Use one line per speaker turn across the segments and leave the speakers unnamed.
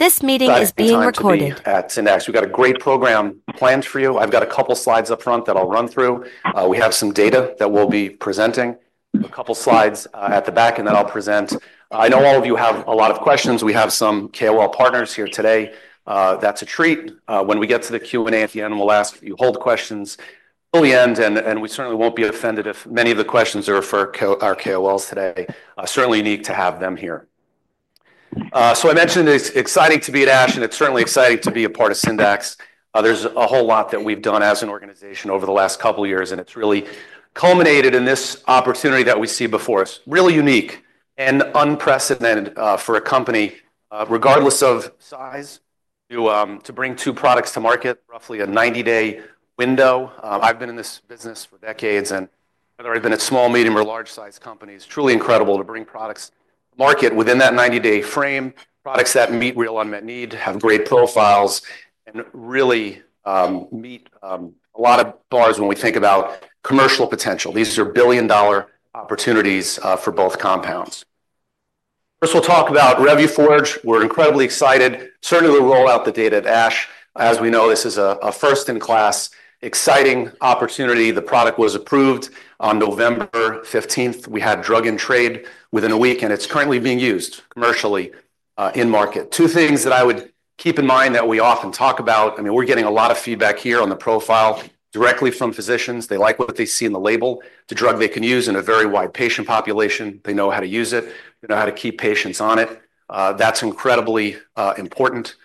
This meeting is being recorded.
At Syndax. We've got a great program planned for you. I've got a couple of slides up front that I'll run through. We have some data that we'll be presenting. A couple of slides at the back, and then I'll present. I know all of you have a lot of questions. We have some KOL partners here today. That's a treat. When we get to the Q&A at the end, we'll ask you to hold questions till the end, and we certainly won't be offended if many of the questions are for our KOLs today. Certainly unique to have them here. So I mentioned it's exciting to be at ASH, and it's certainly exciting to be a part of Syndax. There's a whole lot that we've done as an organization over the last couple of years, and it's really culminated in this opportunity that we see before us. Really unique and unprecedented for a company, regardless of size, to bring two products to market in roughly a 90-day window. I've been in this business for decades, and whether I've been at small, medium, or large-sized companies, it's truly incredible to bring products to market within that 90-day frame. Products that meet real unmet need, have great profiles, and really meet a lot of bars when we think about commercial potential. These are billion-dollar opportunities for both compounds. First, we'll talk about Revuforj. We're incredibly excited. Certainly, we'll roll out the data at ASH. As we know, this is a first-in-class, exciting opportunity. The product was approved on November 15th. We had drug in trade within a week, and it's currently being used commercially in market. Two things that I would keep in mind that we often talk about. I mean, we're getting a lot of feedback here on the profile directly from physicians. They like what they see in the label. It's a drug they can use in a very wide patient population. They know how to use it. They know how to keep patients on it. That's incredibly important,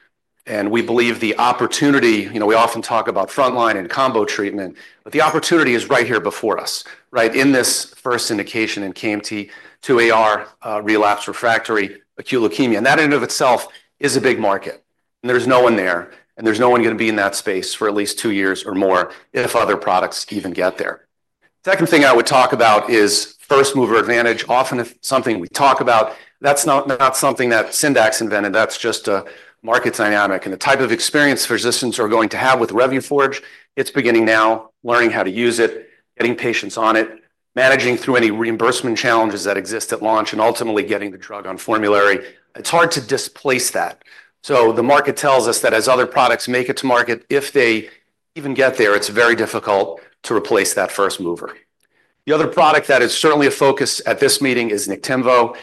and we believe the opportunity, we often talk about frontline and combo treatment, but the opportunity is right here before us, right in this first indication in KMT2A-r, relapsed refractory, acute leukemia, and that in and of itself is a big market, and there's no one there, and there's no one going to be in that space for at least two years or more if other products even get there. The second thing I would talk about is first-mover advantage. Often, it's something we talk about. That's not something that Syndax invented. That's just a market dynamic. And the type of experience physicians are going to have with Revuforj, it's beginning now, learning how to use it, getting patients on it, managing through any reimbursement challenges that exist at launch, and ultimately getting the drug on formulary. It's hard to displace that. The market tells us that as other products make it to market, if they even get there, it's very difficult to replace that first mover. The other product that is certainly a focus at this meeting is Niktimvo.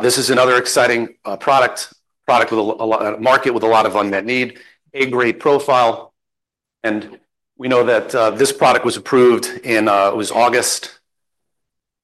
This is another exciting product, a product with a market with a lot of unmet need, A-grade profile. We know that this product was approved in—it was August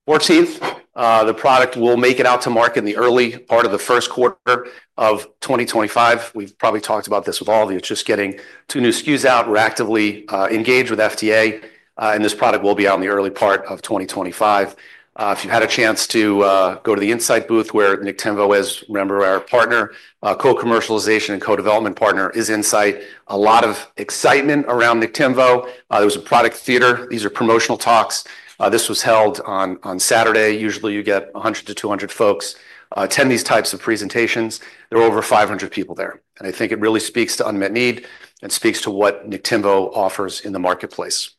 14th. The product will make it out to market in the early part of the first quarter of 2025. We've probably talked about this with all of you. It's just getting two new SKUs out. We're actively engaged with FDA, and this product will be out in the early part of 2025. If you've had a chance to go to the Incyte booth, where Niktimvo is, remember, our partner, co-commercialization and co-development partner is Incyte. A lot of excitement around Niktimvo. There was a product theater. These are promotional talks. This was held on Saturday. Usually, you get 100-200 folks attend these types of presentations. There were over 500 people there. And I think it really speaks to unmet need and speaks to what Niktimvo offers in the marketplace.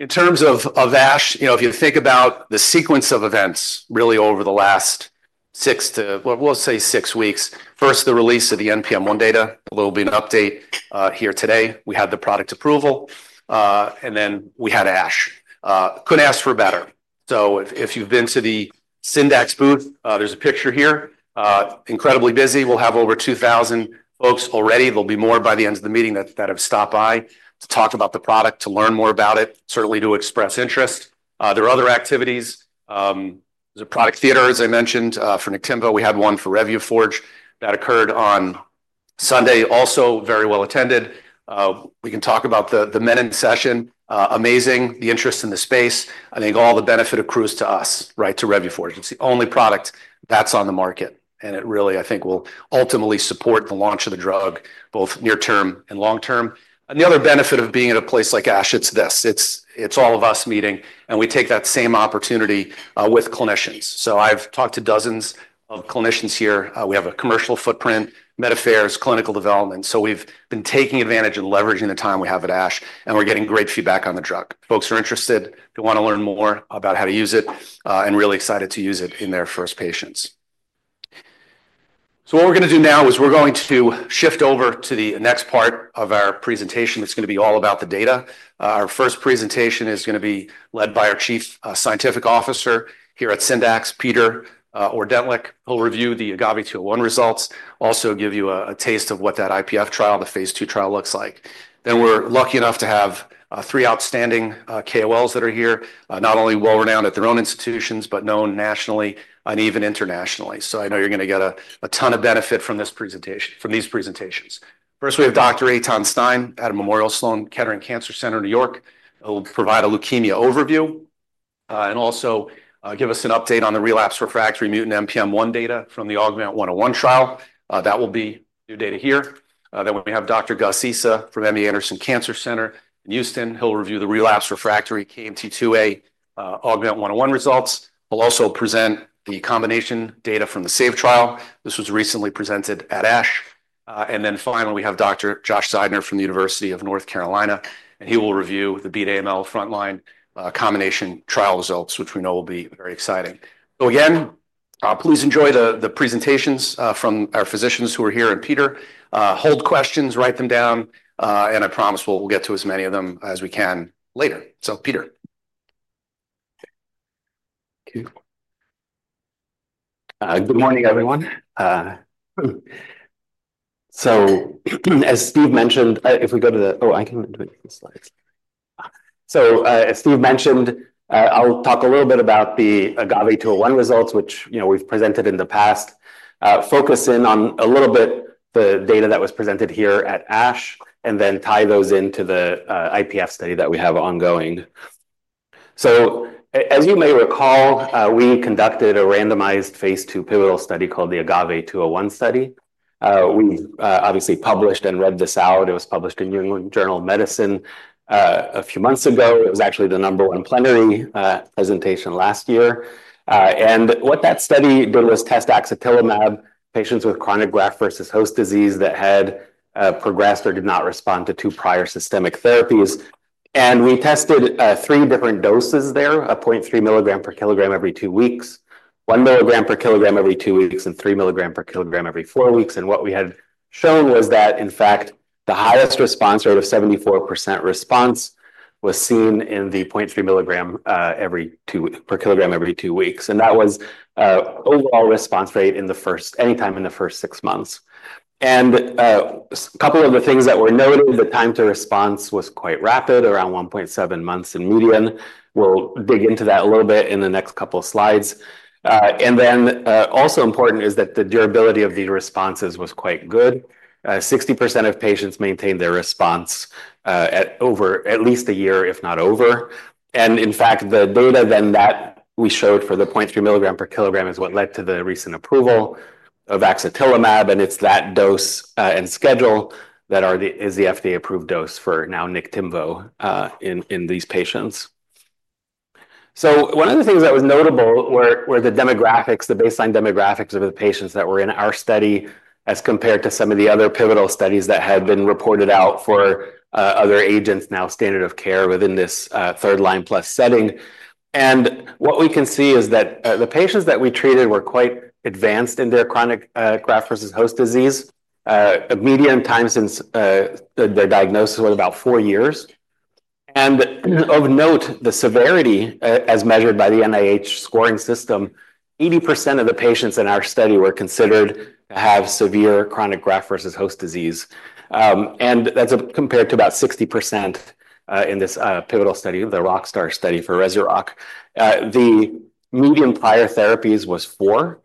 In terms of ASH, if you think about the sequence of events really over the last six to, well, we'll say six weeks, first, the release of the NPM1 data, a little bit of an update here today. We had the product approval, and then we had ASH. Couldn't ask for better. So if you've been to the Syndax booth, there's a picture here. Incredibly busy. We'll have over 2,000 folks already. There'll be more by the end of the meeting that have stopped by to talk about the product, to learn more about it, certainly to express interest. There are other activities. There's a product theater, as I mentioned, for Niktimvo. We had one for Revuforj that occurred on Sunday, also very well attended. We can talk about the menin session. Amazing, the interest in the space. I think all the benefit accrues to us, right, to Revuforj. It's the only product that's on the market, and it really, I think, will ultimately support the launch of the drug, both near-term and long-term. And the other benefit of being at a place like ASH, it's this. It's all of us meeting, and we take that same opportunity with clinicians. So I've talked to dozens of clinicians here. We have a commercial footprint, med affairs, clinical development. So we've been taking advantage and leveraging the time we have at ASH, and we're getting great feedback on the drug. Folks are interested, who want to learn more about how to use it, and really excited to use it in their first patients. So what we're going to do now is we're going to shift over to the next part of our presentation that's going to be all about the data. Our first presentation is going to be led by our Chief Scientific Officer here at Syndax, Peter Ordentlich. He'll review the AGAVE-201 results, also give you a taste of what that IPF trial, the phase two trial, looks like. Then we're lucky enough to have three outstanding KOLs that are here, not only well-renowned at their own institutions, but known nationally and even internationally. So I know you're going to get a ton of benefit from these presentations. First, we have Dr. Eytan Stein at Memorial Sloan Kettering Cancer Center in New York. He'll provide a leukemia overview and also give us an update on the relapsed refractory mutant NPM1 data from the AUGMENT-101 trial. That will be new data here. Then we have Dr. Ghayas Issa from MD Anderson Cancer Center in Houston. He'll review the relapsed refractory KMT2A AUGMENT-101 results. He'll also present the combination data from the SAVE trial. This was recently presented at ASH. And then finally, we have Dr. Josh Zeidner from the University of North Carolina, and he will review the BEAT AML frontline combination trial results, which we know will be very exciting. So again, please enjoy the presentations from our physicians who are here and Peter. Hold questions, write them down, and I promise we'll get to as many of them as we can later. So Peter.
Good morning, everyone. So as Steve mentioned, I'll talk a little bit about the AGAVE-201 results, which we've presented in the past, focus in on a little bit of the data that was presented here at ASH, and then tie those into the IPF study that we have ongoing. So as you may recall, we conducted a randomized phase two pivotal study called the AGAVE-201 study. We've obviously published and read this out. It was published in New England Journal of Medicine a few months ago. It was actually the number one plenary presentation last year, and what that study did was test axatilimab in patients with chronic graft-versus-host disease that had progressed or did not respond to two prior systemic therapies. And we tested three different doses there: 0.3 milligram per kilogram every two weeks, one milligram per kilogram every two weeks, and three milligram per kilogram every four weeks. And what we had shown was that, in fact, the highest response rate of 74% response was seen in the 0.3 milligram per kilogram every two weeks. And that was overall response rate anytime in the first six months. And a couple of the things that were noted, the time to response was quite rapid, around 1.7 months in median. We'll dig into that a little bit in the next couple of slides. And then also important is that the durability of the responses was quite good. 60% of patients maintained their response at over at least a year, if not over. In fact, the data then that we showed for the 0.3 milligram per kilogram is what led to the recent approval of axatilimab. It's that dose and schedule that is the FDA-approved dose for now Niktimvo in these patients. One of the things that was notable were the demographics, the baseline demographics of the patients that were in our study as compared to some of the other pivotal studies that had been reported out for other agents, now standard of care within this third line plus setting. What we can see is that the patients that we treated were quite advanced in their chronic graft-versus-host disease. Median time since their diagnosis was about four years. Of note, the severity as measured by the NIH scoring system, 80% of the patients in our study were considered to have severe chronic graft-versus-host disease. That's compared to about 60% in this pivotal study, the ROCKstar study for Rezurock. The median prior therapies was four.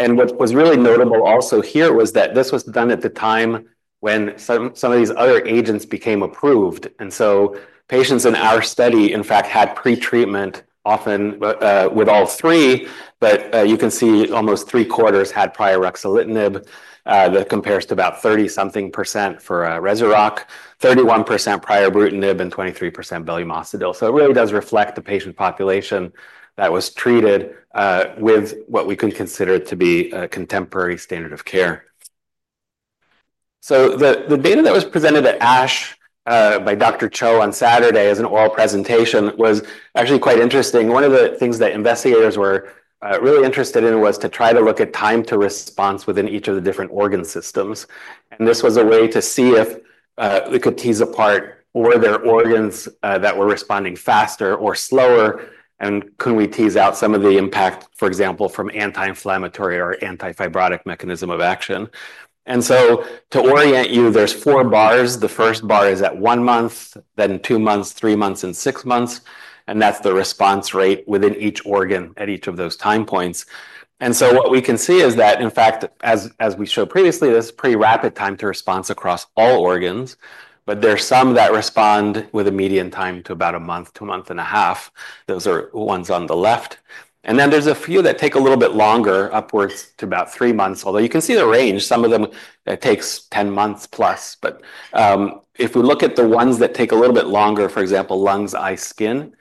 And what was really notable also here was that this was done at the time when some of these other agents became approved. And so patients in our study, in fact, had pretreatment often with all three, but you can see almost three quarters had prior ruxolitinib. That compares to about 30-something% for Rezurock, 31% prior ibrutinib, and 23% belumosudil. So it really does reflect the patient population that was treated with what we could consider to be a contemporary standard of care. So the data that was presented at ASH by Dr. Cho on Saturday as an oral presentation was actually quite interesting. One of the things that investigators were really interested in was to try to look at time to response within each of the different organ systems. And this was a way to see if we could tease apart, were there organs that were responding faster or slower, and could we tease out some of the impact, for example, from anti-inflammatory or antifibrotic mechanism of action. And so to orient you, there's four bars. The first bar is at one month, then two months, three months, and six months. And that's the response rate within each organ at each of those time points. And so what we can see is that, in fact, as we showed previously, there's pretty rapid time to response across all organs, but there are some that respond with a median time to about a month to a month and a half. Those are the ones on the left. And then there's a few that take a little bit longer, upwards to about three months, although you can see the range. Some of them take 10 months plus. But if we look at the ones that take a little bit longer, for example, lungs, eyes, skin,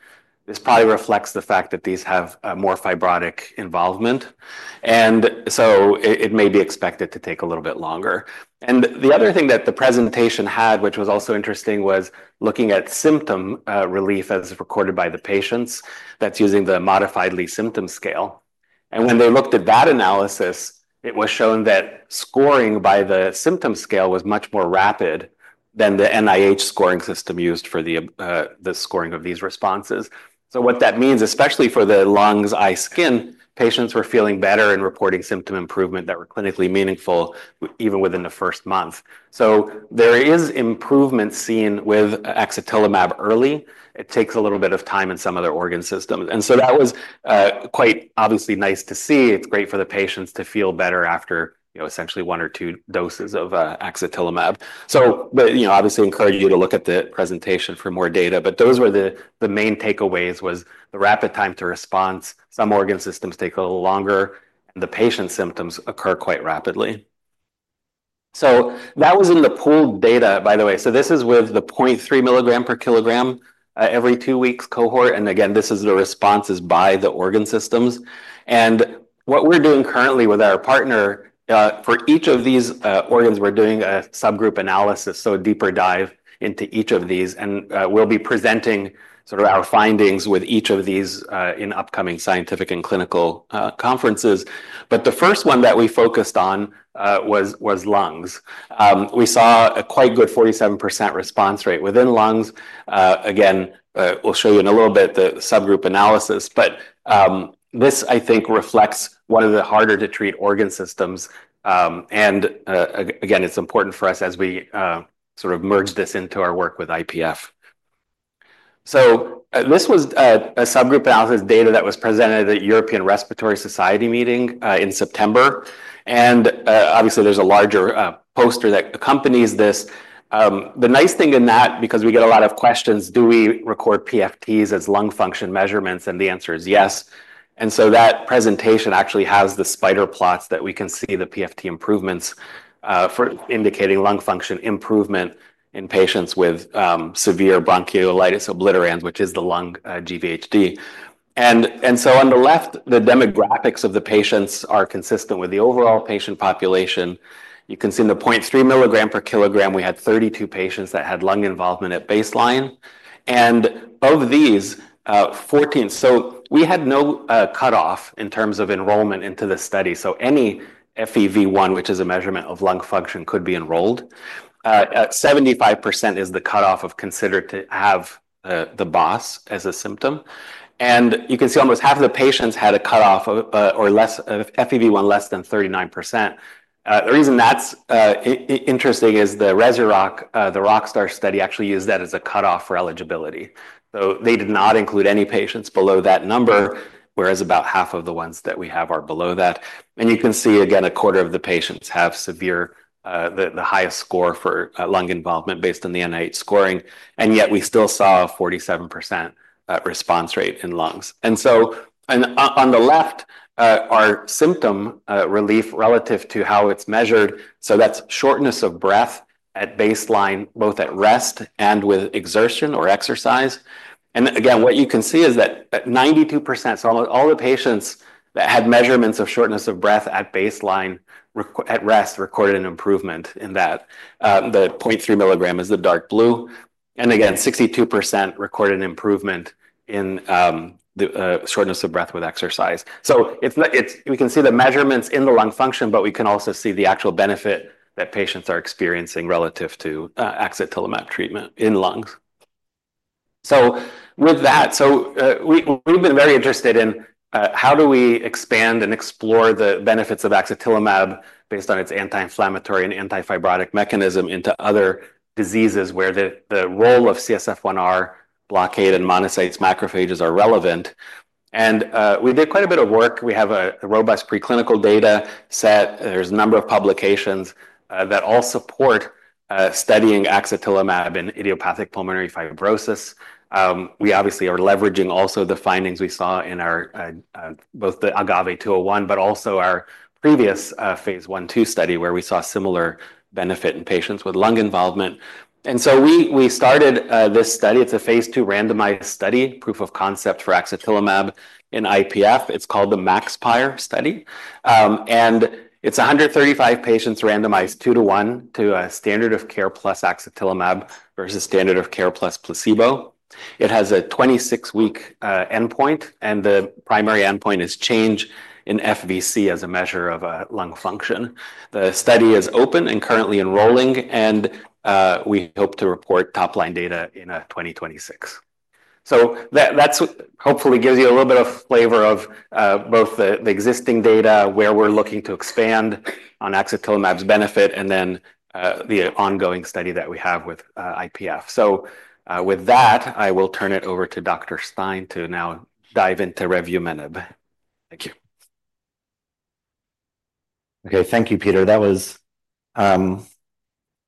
this probably reflects the fact that these have more fibrotic involvement. And so it may be expected to take a little bit longer. And the other thing that the presentation had, which was also interesting, was looking at symptom relief as recorded by the patients. That's using the modified Lee Symptom Scale. And when they looked at that analysis, it was shown that scoring by the symptom scale was much more rapid than the NIH scoring system used for the scoring of these responses. So what that means, especially for the lungs, eyes, skin: patients were feeling better and reporting symptom improvement that were clinically meaningful even within the first month. So there is improvement seen with axatilimab early. It takes a little bit of time in some other organ systems. And so that was quite obviously nice to see. It's great for the patients to feel better after essentially one or two doses of axatilimab. So I obviously encourage you to look at the presentation for more data. But those were the main takeaways: the rapid time to response. Some organ systems take a little longer, and the patient symptoms occur quite rapidly. So that was in the pooled data, by the way. So this is with the 0.3 milligram per kilogram every two weeks cohort. And again, this is the responses by the organ systems. What we're doing currently with our partner, for each of these organs, is a subgroup analysis, so a deeper dive into each of these. We'll be presenting our findings with each of these in upcoming scientific and clinical conferences. The first one that we focused on was lungs. We saw a quite good 47% response rate within lungs. We'll show you in a little bit the subgroup analysis. This, I think, reflects one of the harder-to-treat organ systems. It's important for us as we merge this into our work with IPF. This was a subgroup analysis data that was presented at the European Respiratory Society meeting in September. Obviously, there's a larger poster that accompanies this. The nice thing in that, because we get a lot of questions, "Do we record PFTs as lung function measurements?" And the answer is yes. And so that presentation actually has the spider plots that we can see the PFT improvements for indicating lung function improvement in patients with severe bronchiolitis obliterans, which is the lung GVHD. And so on the left, the demographics of the patients are consistent with the overall patient population. You can see in the 0.3 milligram per kilogram, we had 32 patients that had lung involvement at baseline. And of these, 14, so we had no cutoff in terms of enrollment into the study. So any FEV1, which is a measurement of lung function, could be enrolled. 75% is the cutoff considered to have the BOS as a symptom. And you can see almost half of the patients had a cutoff or less of FEV1 less than 39%. The reason that's interesting is the Rezurock, the ROCKstar study actually used that as a cutoff for eligibility. So they did not include any patients below that number, whereas about half of the ones that we have are below that. And you can see, again, a quarter of the patients have severe, the highest score for lung involvement based on the NIH scoring. And yet we still saw a 47% response rate in lungs. And so on the left, our symptom relief relative to how it's measured. So that's shortness of breath at baseline, both at rest and with exertion or exercise. And again, what you can see is that 92%, so all the patients that had measurements of shortness of breath at baseline at rest recorded an improvement in that. The 0.3 milligram is the dark blue, and again, 62% recorded an improvement in the shortness of breath with exercise, so we can see the measurements in the lung function, but we can also see the actual benefit that patients are experiencing relative to axatilimab treatment in lungs, so with that, so we've been very interested in how do we expand and explore the benefits of axatilimab based on its anti-inflammatory and antifibrotic mechanism into other diseases where the role of CSF-1R blockade and monocytes/macrophages are relevant, and we did quite a bit of work. We have robust preclinical data set. There's a number of publications that all support studying axatilimab in idiopathic pulmonary fibrosis. We obviously are leveraging also the findings we saw in both the AGAVE-201, but also our previous phase one two study where we saw similar benefit in patients with lung involvement. And so we started this study. It's a phase two randomized study, proof of concept for axatilimab in IPF. It's called the MaxPIRE study. And it's 135 patients randomized two to one to a standard of care plus axatilimab versus standard of care plus placebo. It has a 26-week endpoint, and the primary endpoint is change in FVC as a measure of lung function. The study is open and currently enrolling, and we hope to report top-line data in 2026. So that hopefully gives you a little bit of flavor of both the existing data, where we're looking to expand on axatilimab's benefit, and then the ongoing study that we have with IPF. So with that, I will turn it over to Dr. Stein to now dive into Revuforj. Thank you.
Okay. Thank you, Peter.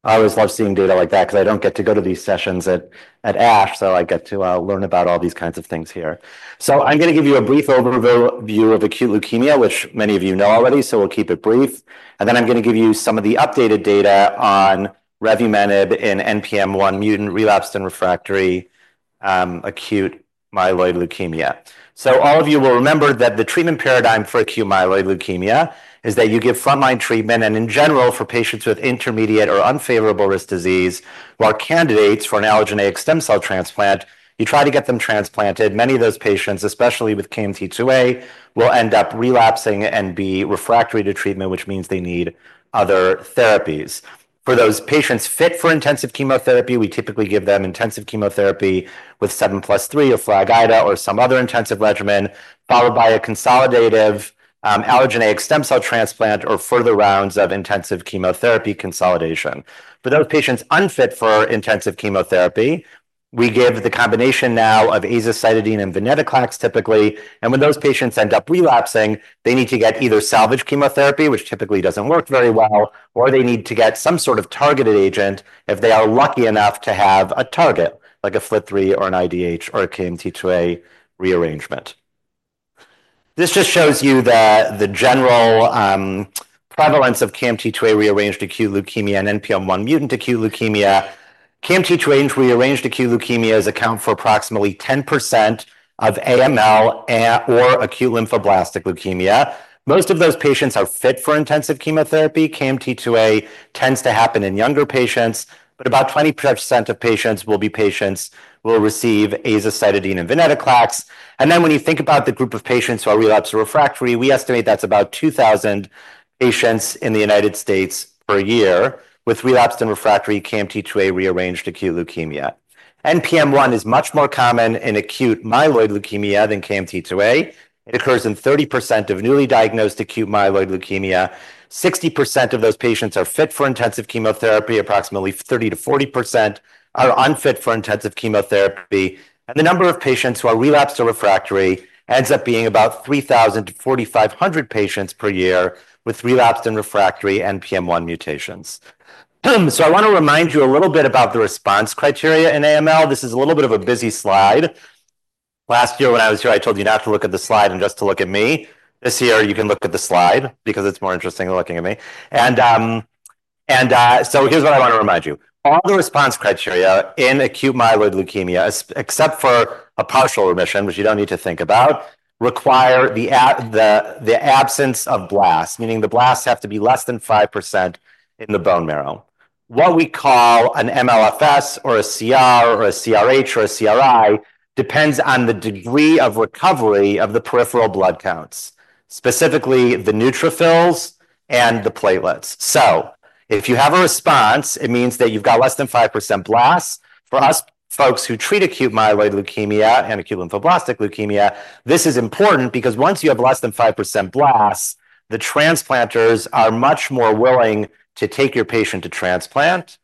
I always love seeing data like that because I don't get to go to these sessions at ASH, so I get to learn about all these kinds of things here, so I'm going to give you a brief overview of acute leukemia, which many of you know already, so we'll keep it brief, and then I'm going to give you some of the updated data on revumenib in NPM1 mutant relapsed and refractory acute myeloid leukemia, so all of you will remember that the treatment paradigm for acute myeloid leukemia is that you give front-line treatment, and in general, for patients with intermediate or unfavorable risk disease or candidates for an allogeneic stem cell transplant, you try to get them transplanted. Many of those patients, especially with KMT2A, will end up relapsing and be refractory to treatment, which means they need other therapies. For those patients fit for intensive chemotherapy, we typically give them intensive chemotherapy with seven plus three or FLAG-Ida or some other intensive regimen, followed by a consolidative allogeneic stem cell transplant or further rounds of intensive chemotherapy consolidation. For those patients unfit for intensive chemotherapy, we give the combination now of azacitidine and venetoclax typically, and when those patients end up relapsing, they need to get either salvage chemotherapy, which typically doesn't work very well, or they need to get some sort of targeted agent if they are lucky enough to have a target like a FLT3 or an IDH or a KMT2A rearrangement. This just shows you the general prevalence of KMT2A rearranged acute leukemia and NPM1 mutant acute leukemia. KMT2A rearranged acute leukemias account for approximately 10% of AML or acute lymphoblastic leukemia. Most of those patients are fit for intensive chemotherapy. KMT2A tends to happen in younger patients, but about 20% of patients will be patients who will receive azacitidine and venetoclax, and then when you think about the group of patients who are relapsed or refractory, we estimate that's about 2,000 patients in the United States per year with relapsed and refractory KMT2A rearranged acute leukemia. NPM1 is much more common in acute myeloid leukemia than KMT2A. It occurs in 30% of newly diagnosed acute myeloid leukemia. 60% of those patients are fit for intensive chemotherapy. Approximately 30%-40% are unfit for intensive chemotherapy, and the number of patients who are relapsed or refractory ends up being about 3,000-4,500 patients per year with relapsed and refractory NPM1 mutations, so I want to remind you a little bit about the response criteria in AML. This is a little bit of a busy slide. Last year, when I was here, I told you not to look at the slide and just to look at me. This year, you can look at the slide because it's more interesting than looking at me, and so here's what I want to remind you. All the response criteria in acute myeloid leukemia, except for a partial remission, which you don't need to think about, require the absence of blasts, meaning the blasts have to be less than 5% in the bone marrow. What we call an MLFS or a CR or a CRh or a CRi depends on the degree of recovery of the peripheral blood counts, specifically the neutrophils and the platelets, so if you have a response, it means that you've got less than 5% blasts. For us folks who treat acute myeloid leukemia and acute lymphoblastic leukemia, this is important because once you have less than 5% blasts, the transplanters are much more willing to take your patient to transplant.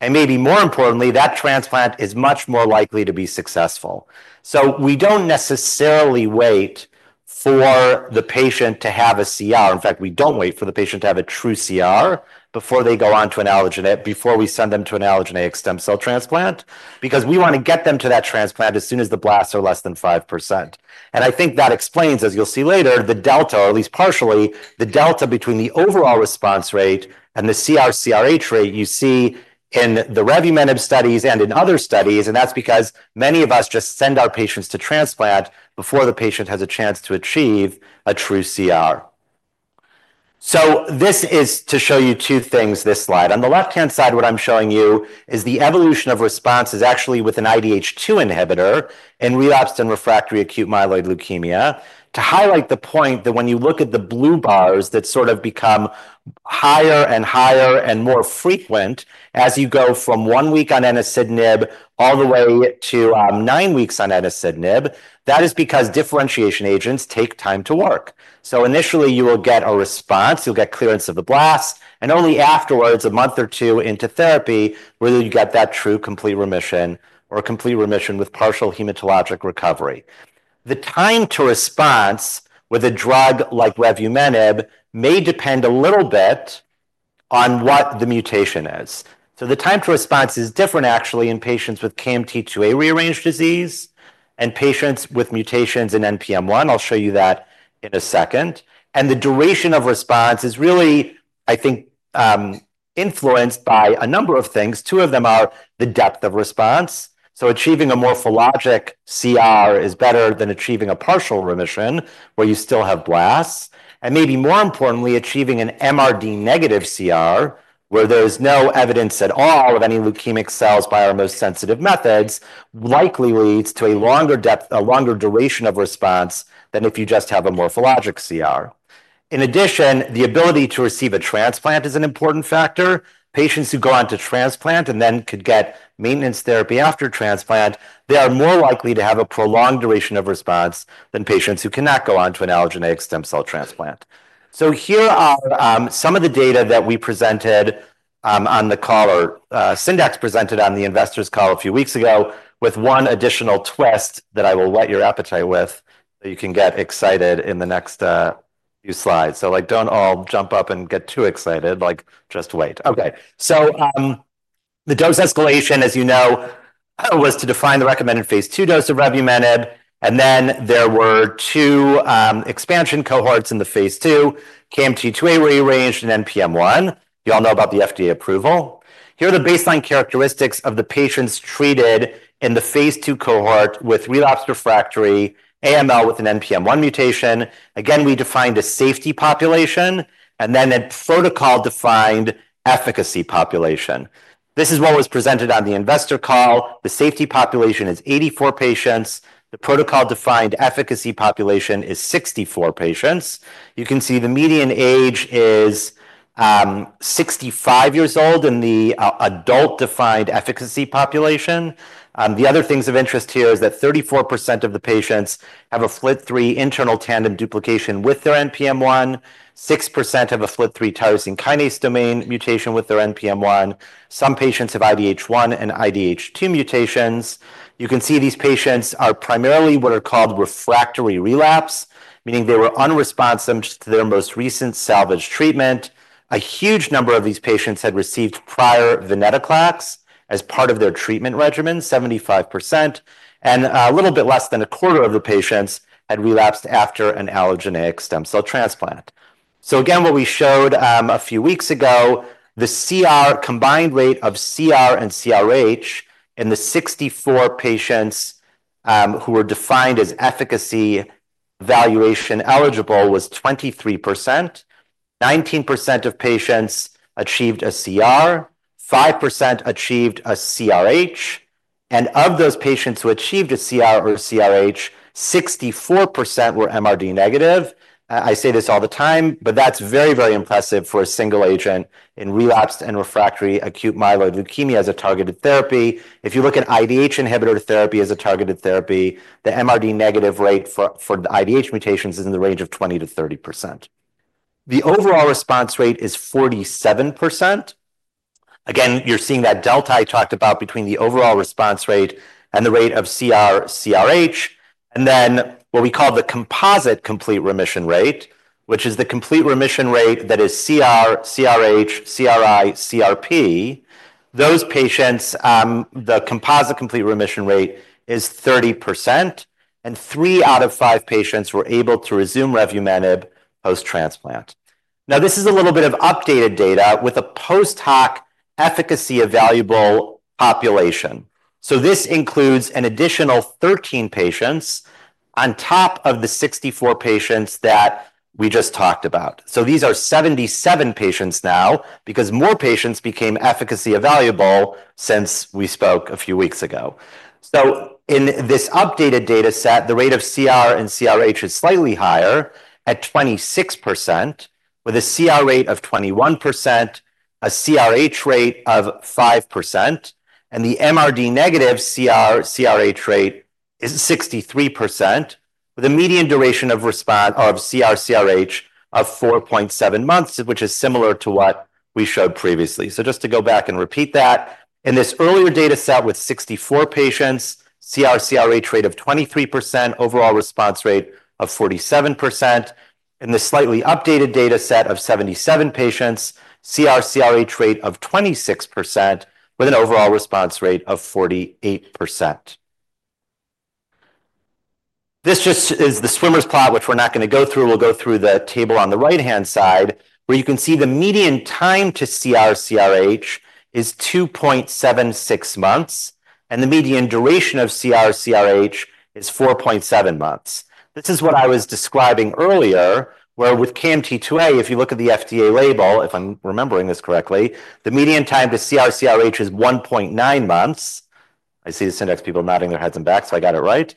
And maybe more importantly, that transplant is much more likely to be successful. So we don't necessarily wait for the patient to have a CR. In fact, we don't wait for the patient to have a true CR before they go on to an allogeneic, before we send them to an allogeneic stem cell transplant, because we want to get them to that transplant as soon as the blasts are less than 5%. And I think that explains, as you'll see later, the delta, or at least partially, the delta between the overall response rate and the CR/CRh rate you see in the Revuforj studies and in other studies. That's because many of us just send our patients to transplant before the patient has a chance to achieve a true CR. This is to show you two things this slide. On the left-hand side, what I'm showing you is the evolution of responses actually with an IDH2 inhibitor in relapsed and refractory acute myeloid leukemia. To highlight the point that when you look at the blue bars that sort of become higher and higher and more frequent as you go from one week on enasidenib all the way to nine weeks on enasidenib, that is because differentiation agents take time to work. Initially, you will get a response. You'll get clearance of the blasts. Only afterwards, a month or two into therapy, whether you get that true complete remission or complete remission with partial hematologic recovery. The time to response with a drug like revumenib may depend a little bit on what the mutation is. So the time to response is different actually in patients with KMT2A rearranged disease and patients with mutations in NPM1. I'll show you that in a second. And the duration of response is really, I think, influenced by a number of things. Two of them are the depth of response. So achieving a morphologic CR is better than achieving a partial remission where you still have blasts. And maybe more importantly, achieving an MRD negative CR where there's no evidence at all of any leukemic cells by our most sensitive methods likely leads to a longer duration of response than if you just have a morphologic CR. In addition, the ability to receive a transplant is an important factor. Patients who go on to transplant and then could get maintenance therapy after transplant, they are more likely to have a prolonged duration of response than patients who cannot go on to an allogeneic stem cell transplant. So here are some of the data that we presented on the call or Syndax presented on the investors' call a few weeks ago with one additional twist that I will whet your appetite with that you can get excited in the next few slides. So don't all jump up and get too excited. Just wait. Okay. So the dose escalation, as you know, was to define the recommended phase two dose of revumenib. And then there were two expansion cohorts in the phase two, KMT2A-rearranged and NPM1. You all know about the FDA approval. Here are the baseline characteristics of the patients treated in the phase two cohort with relapsed refractory AML with an NPM1 mutation. Again, we defined a safety population, and then a protocol-defined efficacy population. This is what was presented on the investor call. The safety population is 84 patients. The protocol-defined efficacy population is 64 patients. You can see the median age is 65 years old in the adult-defined efficacy population. The other things of interest here is that 34% of the patients have a FLT3 internal tandem duplication with their NPM1. 6% have a FLT3 tyrosine kinase domain mutation with their NPM1. Some patients have IDH1 and IDH2 mutations. You can see these patients are primarily what are called refractory relapse, meaning they were unresponsive to their most recent salvage treatment. A huge number of these patients had received prior venetoclax as part of their treatment regimen, 75%. And a little bit less than a quarter of the patients had relapsed after an allogeneic stem cell transplant. So again, what we showed a few weeks ago, the combined rate of CR and CRh in the 64 patients who were defined as efficacy evaluation eligible was 23%. 19% of patients achieved a CR. 5% achieved a CRh. And of those patients who achieved a CR or CRh, 64% were MRD negative. I say this all the time, but that's very, very impressive for a single agent in relapsed and refractory acute myeloid leukemia as a targeted therapy. If you look at IDH inhibitor therapy as a targeted therapy, the MRD negative rate for the IDH mutations is in the range of 20%-30%. The overall response rate is 47%. Again, you're seeing that delta I talked about between the overall response rate and the rate of CR/CRh. And then what we call the composite complete remission rate, which is the complete remission rate that is CR/CRh, CRi, CRp, those patients, the composite complete remission rate is 30%. And three out of five patients were able to resume Revuforj post-transplant. Now, this is a little bit of updated data with a post-hoc efficacy evaluable population. So this includes an additional 13 patients on top of the 64 patients that we just talked about. So these are 77 patients now because more patients became efficacy evaluable since we spoke a few weeks ago. So in this updated data set, the rate of CR and CRh is slightly higher at 26%, with a CR rate of 21%, a CRh rate of 5%. And the MRD negative CR/CRh rate is 63%, with a median duration of CR/CRh of 4.7 months, which is similar to what we showed previously. Just to go back and repeat that, in this earlier data set with 64 patients, CR/CRh rate of 23%, overall response rate of 47%. In the slightly updated data set of 77 patients, CR/CRh rate of 26%, with an overall response rate of 48%. This just is the swimmers' plot, which we're not going to go through. We'll go through the table on the right-hand side where you can see the median time to CR/CRh is 2.76 months, and the median duration of CR/CRh is 4.7 months. This is what I was describing earlier, where with KMT2A, if you look at the FDA label, if I'm remembering this correctly, the median time to CR/CRh is 1.9 months. I see the Syndax people nodding their heads and back, so I got it right.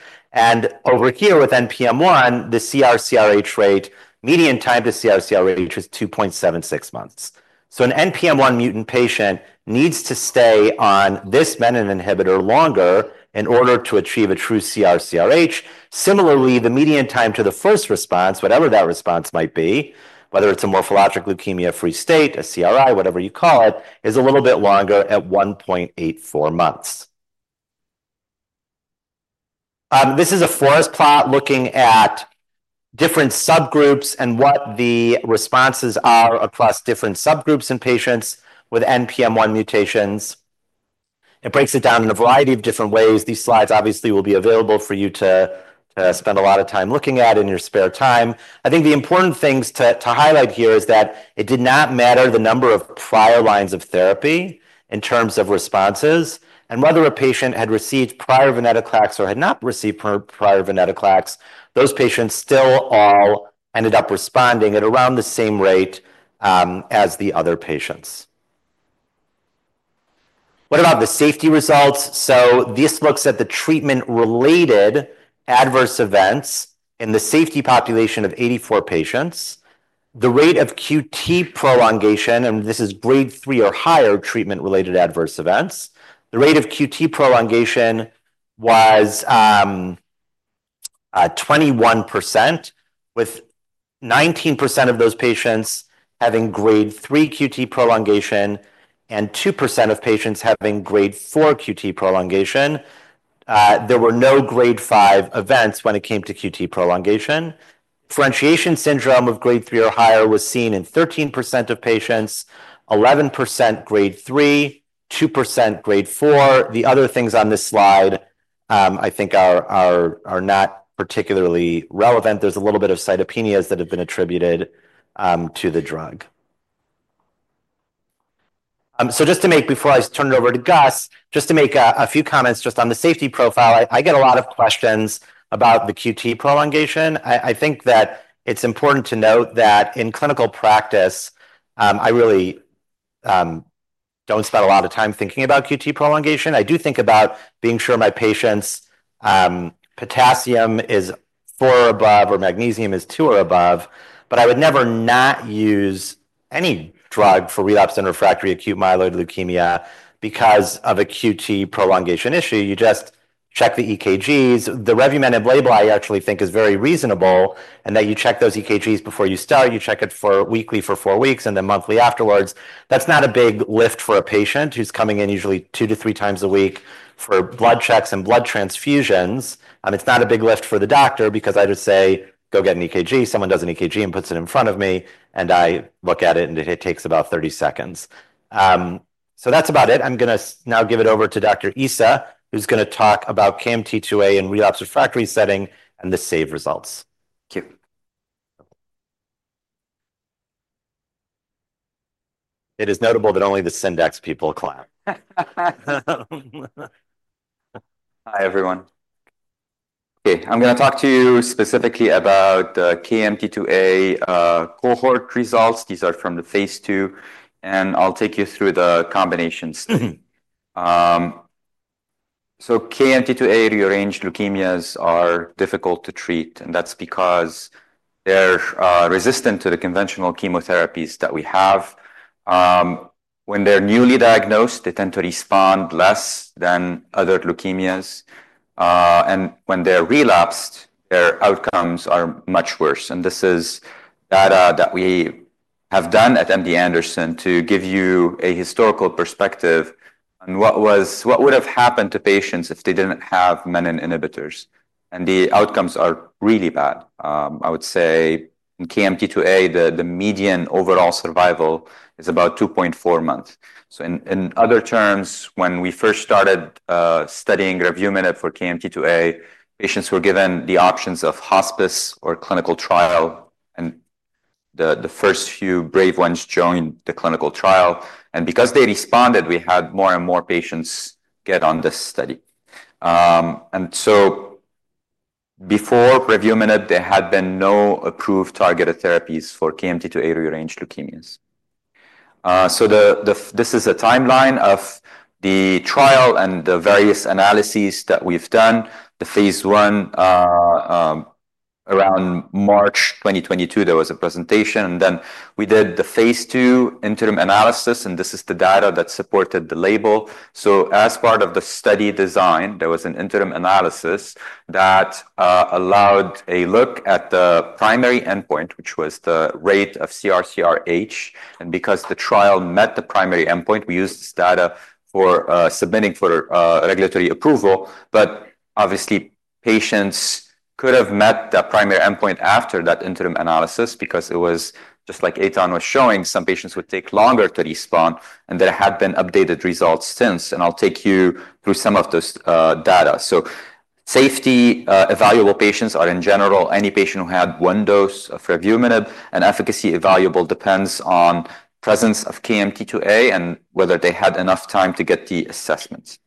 Over here with NPM1, the CR/CRh rate, median time to CR/CRh is 2.76 months. So an NPM1 mutant patient needs to stay on this menin inhibitor longer in order to achieve a true CR/CRh. Similarly, the median time to the first response, whatever that response might be, whether it's a morphologic leukemia-free state, a CRi, whatever you call it, is a little bit longer at 1.84 months. This is a forest plot looking at different subgroups and what the responses are across different subgroups in patients with NPM1 mutations. It breaks it down in a variety of different ways. These slides obviously will be available for you to spend a lot of time looking at in your spare time. I think the important things to highlight here is that it did not matter the number of prior lines of therapy in terms of responses. Whether a patient had received prior venetoclax or had not received prior venetoclax, those patients still all ended up responding at around the same rate as the other patients. What about the safety results? This looks at the treatment-related adverse events in the safety population of 84 patients. The rate of QT prolongation, and this is grade 3 or higher treatment-related adverse events, the rate of QT prolongation was 21%, with 19% of those patients having grade 3 QT prolongation and 2% of patients having grade 4 QT prolongation. There were no grade 5 events when it came to QT prolongation. differentiation syndrome of grade 3 or higher was seen in 13% of patients, 11% grade 3, 2% grade 4. The other things on this slide, I think, are not particularly relevant. There's a little bit of cytopenias that have been attributed to the drug. So just to make, before I turn it over to Ghayas, just to make a few comments just on the safety profile. I get a lot of questions about the QT prolongation. I think that it's important to note that in clinical practice, I really don't spend a lot of time thinking about QT prolongation. I do think about being sure my patients' potassium is four or above or magnesium is two or above, but I would never not use any drug for relapsed and refractory acute myeloid leukemia because of a QT prolongation issue. You just check the EKGs. The Revuforj label I actually think is very reasonable in that you check those EKGs before you start. You check it weekly for four weeks and then monthly afterwards. That's not a big lift for a patient who's coming in usually two to three times a week for blood checks and blood transfusions. It's not a big lift for the doctor because I just say, "Go get an EKG." Someone does an EKG and puts it in front of me, and I look at it, and it takes about 30 seconds. So that's about it. I'm going to now give it over to Dr. Issa, who's going to talk about KMT2A in relapsed refractory setting and the SAVE results. Thank you. It is notable that only the Syndax people clap.
Hi, everyone. Okay. I'm going to talk to you specifically about the KMT2A cohort results. These are from the phase two, and I'll take you through the combinations. So KMT2A rearranged leukemias are difficult to treat, and that's because they're resistant to the conventional chemotherapies that we have. When they're newly diagnosed, they tend to respond less than other leukemias, and when they're relapsed, their outcomes are much worse, and this is data that we have done at MD Anderson to give you a historical perspective on what would have happened to patients if they didn't have menin inhibitors, and the outcomes are really bad. I would say in KMT2A, the median overall survival is about 2.4 months, so in other terms, when we first started studying revumenib for KMT2A, patients were given the options of hospice or clinical trial, and the first few brave ones joined the clinical trial, and because they responded, we had more and more patients get on this study, and so before revumenib, there had been no approved targeted therapies for KMT2A rearranged leukemias, so this is a timeline of the trial and the various analyses that we've done. The phase one, around March 2022, there was a presentation, and then we did the phase two interim analysis, and this is the data that supported the label. So as part of the study design, there was an interim analysis that allowed a look at the primary endpoint, which was the rate of CR/CRh. And because the trial met the primary endpoint, we used this data for submitting for regulatory approval. But obviously, patients could have met that primary endpoint after that interim analysis because it was just like Eytan was showing, some patients would take longer to respond, and there had been updated results since. And I'll take you through some of those data. So safety evaluable patients are, in general, any patient who had one dose of revumenib, and efficacy evaluable depends on presence of KMT2A and whether they had enough time to get the assessment.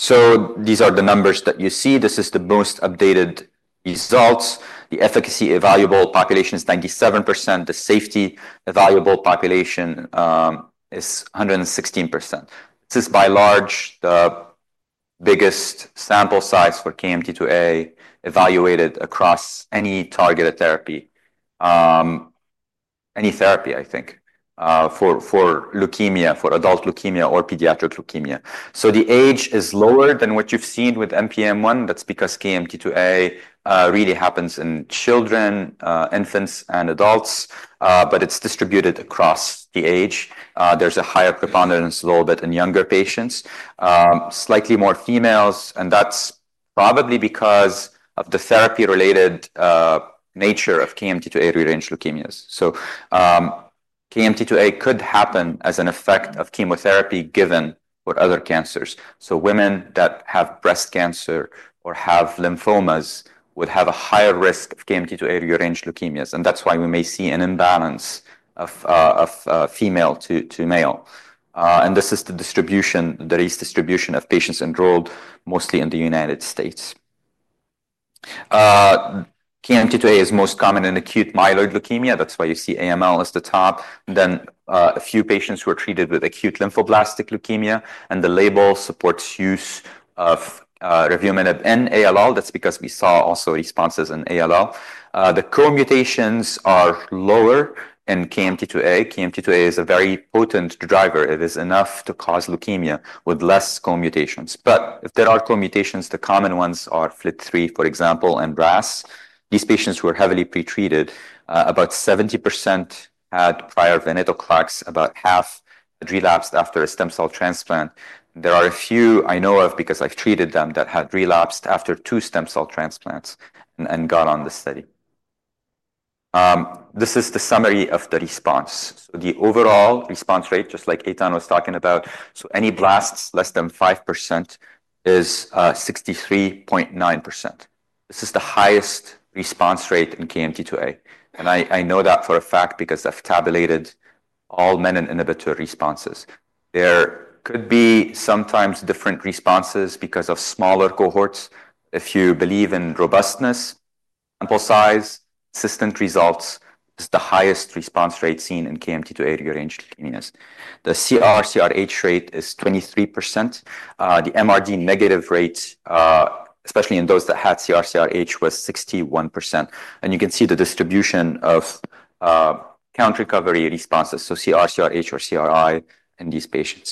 These are the numbers that you see. This is the most updated results. The efficacy evaluable population is 97. The safety evaluable population is 116. This is by far the biggest sample size for KMT2A evaluated across any targeted therapy, any therapy, I think, for leukemia, for adult leukemia or pediatric leukemia. The age is lower than what you've seen with NPM1. That's because KMT2A really happens in children, infants, and adults, but it's distributed across the age. There's a higher preponderance a little bit in younger patients, slightly more females, and that's probably because of the therapy-related nature of KMT2A rearranged leukemias. KMT2A could happen as an effect of chemotherapy given for other cancers. Women that have breast cancer or have lymphomas would have a higher risk of KMT2A rearranged leukemias. That's why we may see an imbalance of female to male. This is the distribution, the race distribution of patients enrolled mostly in the United States. KMT2A is most common in acute myeloid leukemia. That's why you see AML at the top. Then a few patients were treated with acute lymphoblastic leukemia, and the label supports use of Revuforj in AML. That's because we saw also responses in AML. The co-mutations are lower in KMT2A. KMT2A is a very potent driver. It is enough to cause leukemia with less co-mutations. But if there are co-mutations, the common ones are FLT3, for example, and RAS. These patients were heavily pretreated. About 70% had prior venetoclax, about half had relapsed after a stem cell transplant. There are a few I know of because I've treated them that had relapsed after two stem cell transplants and got on the study. This is the summary of the response. So the overall response rate, just like Eytan was talking about, so any blasts less than 5% is 63.9%. This is the highest response rate in KMT2A. And I know that for a fact because I've tabulated all menin inhibitor responses. There could be sometimes different responses because of smaller cohorts. If you believe in robustness, sample size, consistent results, it's the highest response rate seen in KMT2A rearranged leukemias. The CR/CRh rate is 23%. The MRD negative rate, especially in those that had CR/CRh, was 61%. And you can see the distribution of count recovery responses, so CR/CRh or CRi in these patients.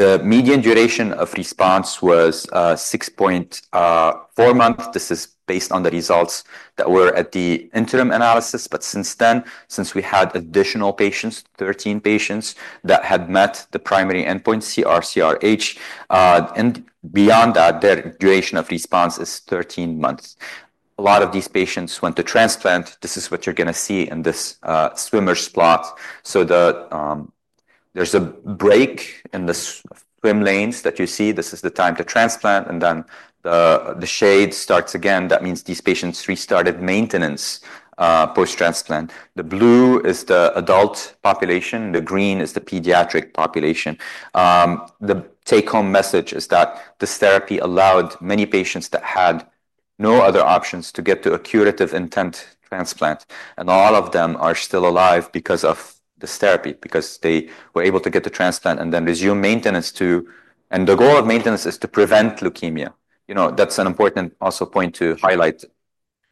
The median duration of response was 6.4 months. This is based on the results that were at the interim analysis. But since then, since we had additional patients, 13 patients that had met the primary endpoint CR/CRh, and beyond that, their duration of response is 13 months. A lot of these patients went to transplant. This is what you're going to see in this swimmers' plot. So there's a break in the swim lanes that you see. This is the time to transplant, and then the shade starts again. That means these patients restarted maintenance post-transplant. The blue is the adult population. The green is the pediatric population. The take-home message is that this therapy allowed many patients that had no other options to get to a curative intent transplant. And all of them are still alive because of this therapy, because they were able to get the transplant and then resume maintenance too. And the goal of maintenance is to prevent leukemia. That's an important also point to highlight.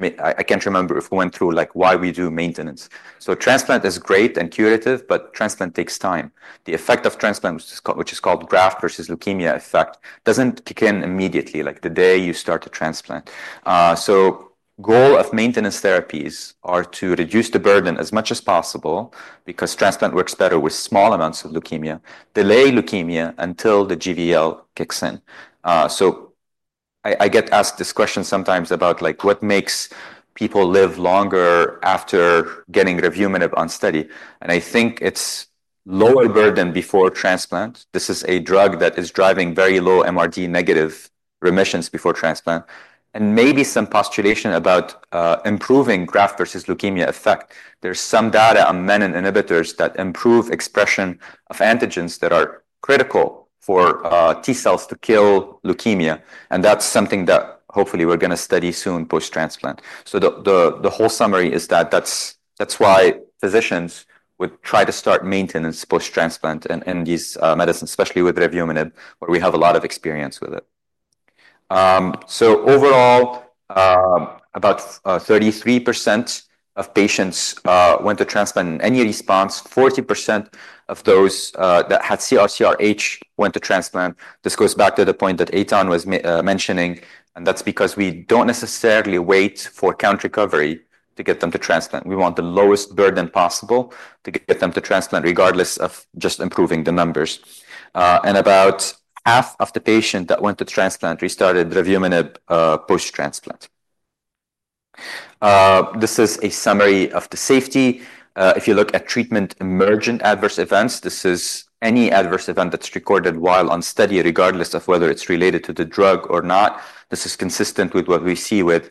I can't remember if we went through why we do maintenance. Transplant is great and curative, but transplant takes time. The effect of transplant, which is called graft versus leukemia effect, doesn't kick in immediately, like the day you start to transplant. The goal of maintenance therapies is to reduce the burden as much as possible because transplant works better with small amounts of leukemia, delay leukemia until the GVL kicks in. I get asked this question sometimes about what makes people live longer after getting Revuforj on study. I think it's lower burden before transplant. This is a drug that is driving very low MRD negative remissions before transplant. Maybe some postulation about improving graft versus leukemia effect. There's some data on menin inhibitors that improve expression of antigens that are critical for T cells to kill leukemia. That's something that hopefully we're going to study soon post-transplant. The whole summary is that that's why physicians would try to start maintenance post-transplant in these medicines, especially with Revuforj, where we have a lot of experience with it. Overall, about 33% of patients went to transplant in any response. 40% of those that had CR/CRh went to transplant. This goes back to the point that Eytan was mentioning, and that's because we don't necessarily wait for count recovery to get them to transplant. We want the lowest burden possible to get them to transplant regardless of just improving the numbers. About half of the patients that went to transplant restarted Revuforj post-transplant. This is a summary of the safety. If you look at treatment emergent adverse events, this is any adverse event that's recorded while on study, regardless of whether it's related to the drug or not. This is consistent with what we see with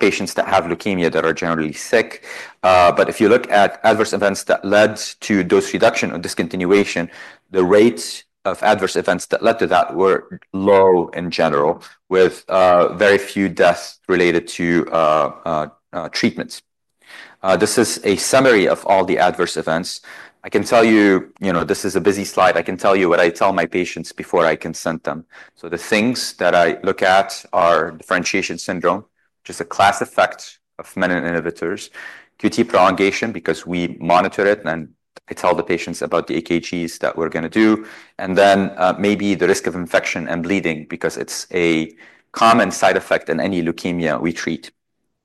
patients that have leukemia that are generally sick. But if you look at adverse events that led to dose reduction or discontinuation, the rates of adverse events that led to that were low in general, with very few deaths related to treatments. This is a summary of all the adverse events. I can tell you, this is a busy slide. I can tell you what I tell my patients before I consent them. So the things that I look at are differentiation syndrome, which is a class effect of menin inhibitors, QT prolongation because we monitor it, and I tell the patients about the EKGs that we're going to do, and then maybe the risk of infection and bleeding because it's a common side effect in any leukemia we treat.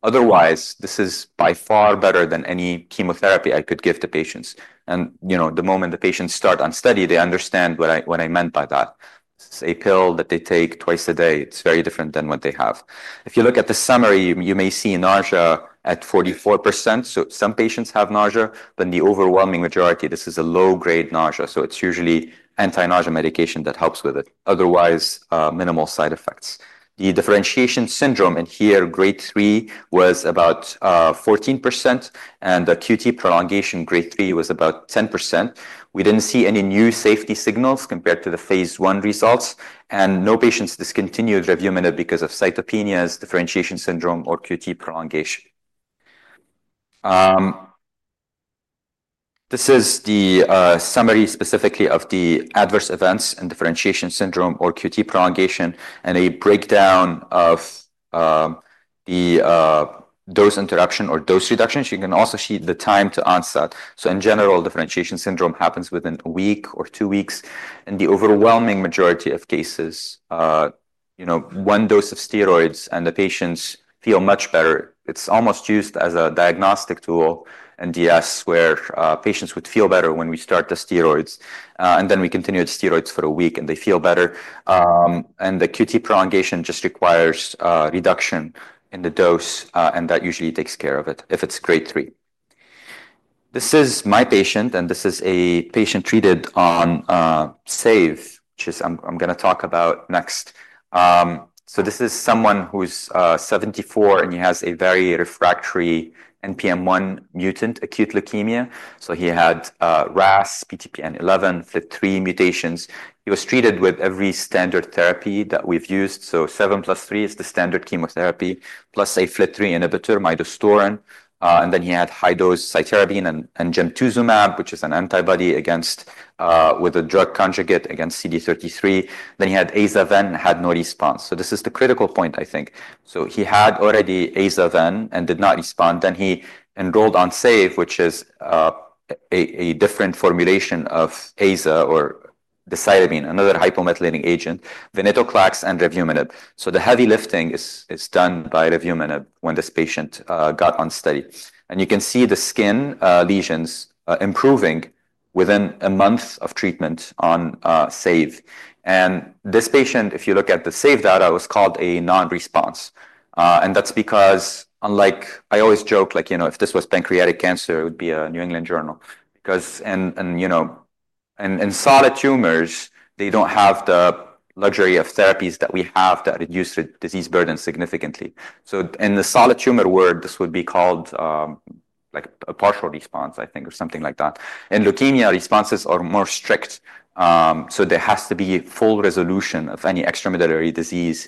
Otherwise, this is by far better than any chemotherapy I could give to patients. And the moment the patients start on study, they understand what I meant by that. This is a pill that they take twice a day. It's very different than what they have. If you look at the summary, you may see nausea at 44%. So some patients have nausea, but in the overwhelming majority, this is a low-grade nausea. So it's usually anti-nausea medication that helps with it. Otherwise, minimal side effects. The differentiation syndrome in here, grade 3, was about 14%, and the QT prolongation grade 3 was about 10%. We didn't see any new safety signals compared to the phase one results, and no patients discontinued Revuforj because of cytopenias, differentiation syndrome, or QT prolongation. This is the summary specifically of the adverse events and differentiation syndrome or QT prolongation and a breakdown of the dose interruption or dose reduction. You can also see the time to onset. So in general, differentiation syndrome happens within a week or two weeks. In the overwhelming majority of cases, one dose of steroids and the patients feel much better. It's almost used as a diagnostic tool in DS where patients would feel better when we start the steroids, and then we continue the steroids for a week and they feel better. The QT prolongation just requires reduction in the dose, and that usually takes care of it if it's grade 3. This is my patient, and this is a patient treated on SAVE, which I'm going to talk about next. This is someone who's 74, and he has a very refractory NPM1 mutant acute leukemia. He had RAS, PTPN11, FLT3 mutations. He was treated with every standard therapy that we've used. Seven plus three is the standard chemotherapy plus a FLT3 inhibitor, midostaurin. Then he had high-dose cytarabine and gemtuzumab, which is an antibody-drug conjugate against CD33. Then he had azacitidine and had no response. This is the critical point, I think. He had already azacitidine and did not respond. Then he enrolled on SAVE, which is a different formulation of AZA or azacitidine, another hypomethylating agent, venetoclax and revumenib. So the heavy lifting is done by Revuforj when this patient got on study. And you can see the skin lesions improving within a month of treatment on SAVE. And this patient, if you look at the SAVE data, was called a non-response. And that's because, unlike I always joke, if this was pancreatic cancer, it would be a New England Journal, because in solid tumors, they don't have the luxury of therapies that we have that reduce the disease burden significantly. So in the solid tumor world, this would be called a partial response, I think, or something like that. In leukemia, responses are more strict. So there has to be full resolution of any extramedullary disease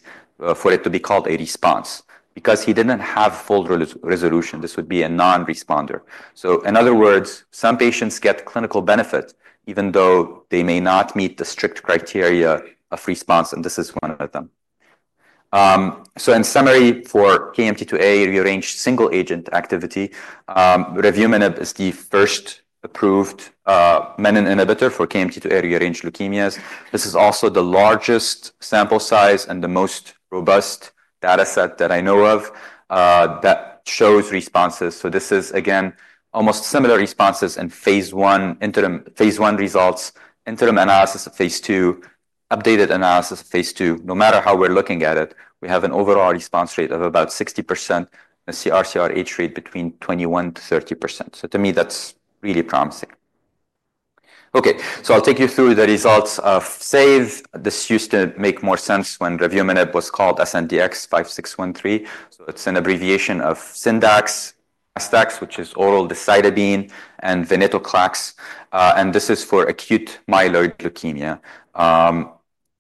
for it to be called a response. Because he didn't have full resolution, this would be a non-responder. In other words, some patients get clinical benefit even though they may not meet the strict criteria of response, and this is one of them. In summary, for KMT2A rearranged single-agent activity, Revuforj is the first approved menin inhibitor for KMT2A rearranged leukemias. This is also the largest sample size and the most robust data set that I know of that shows responses. This is, again, almost similar responses in phase one results, interim analysis of phase two, updated analysis of phase two. No matter how we're looking at it, we have an overall response rate of about 60% and a CR/CRh rate between 21%-30%. To me, that's really promising. Okay, I'll take you through the results of SAVE. This used to make more sense when Revuforj was called SNDX-5613. It's an abbreviation of Syndax, Astex, which is oral decitabine, and venetoclax. This is for acute myeloid leukemia.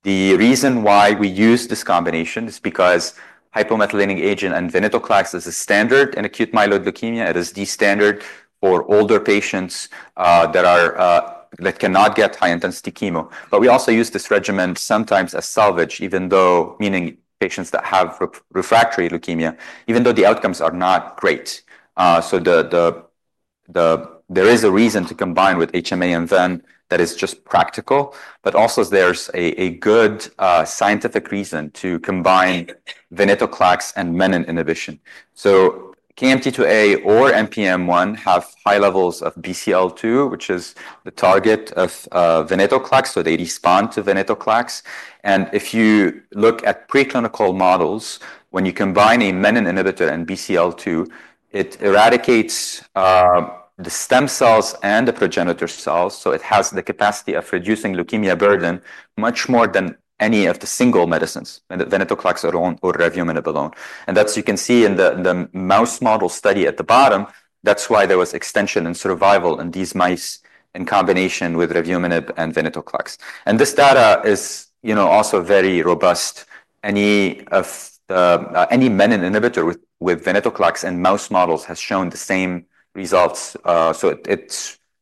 The reason why we use this combination is because hypomethylating agent and venetoclax is a standard in acute myeloid leukemia. It is the standard for older patients that cannot get high-intensity chemo. We also use this regimen sometimes as salvage, meaning patients that have refractory leukemia, even though the outcomes are not great. There is a reason to combine with HMA and VEN. That is just practical. There's also a good scientific reason to combine venetoclax and menin inhibition. KMT2A or NPM1 have high levels of BCL-2, which is the target of venetoclax, so they respond to venetoclax. If you look at preclinical models, when you combine a menin inhibitor and BCL-2, it eradicates the stem cells and the progenitor cells. It has the capacity of reducing leukemia burden much more than any of the single medicines, venetoclax alone or Revuforj alone. And that's, you can see in the mouse model study at the bottom, that's why there was extension and survival in these mice in combination with Revuforj and venetoclax. And this data is also very robust. Any menin inhibitor with venetoclax in mouse models has shown the same results.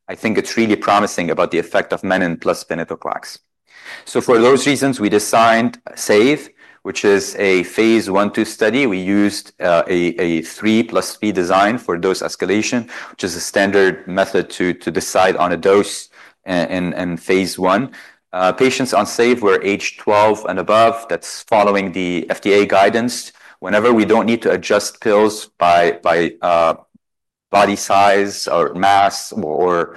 I think it's really promising about the effect of menin plus venetoclax. For those reasons, we designed SAVE, which is a phase one/two study. We used a three plus three design for dose escalation, which is a standard method to decide on a dose in phase one. Patients on SAVE were age 12 and above. That's following the FDA guidance. Whenever we don't need to adjust pills by body size or mass or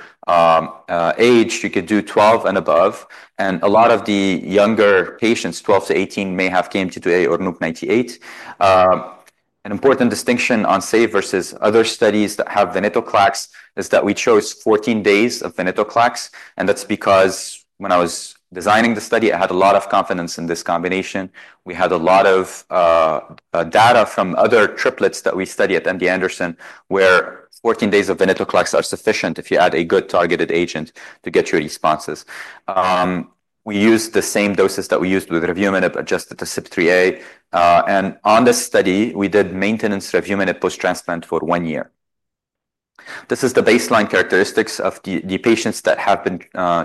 age, you could do 12 and above. And a lot of the younger patients, 12-18, may have KMT2A or NUP98. An important distinction on SAVE versus other studies that have venetoclax is that we chose 14 days of venetoclax. And that's because when I was designing the study, I had a lot of confidence in this combination. We had a lot of data from other triplets that we study at MD Anderson, where 14 days of venetoclax are sufficient if you add a good targeted agent to get your responses. We used the same doses that we used with revumenib adjusted to CYP3A4. And on this study, we did maintenance revumenib post-transplant for one year. This is the baseline characteristics of the patients that have been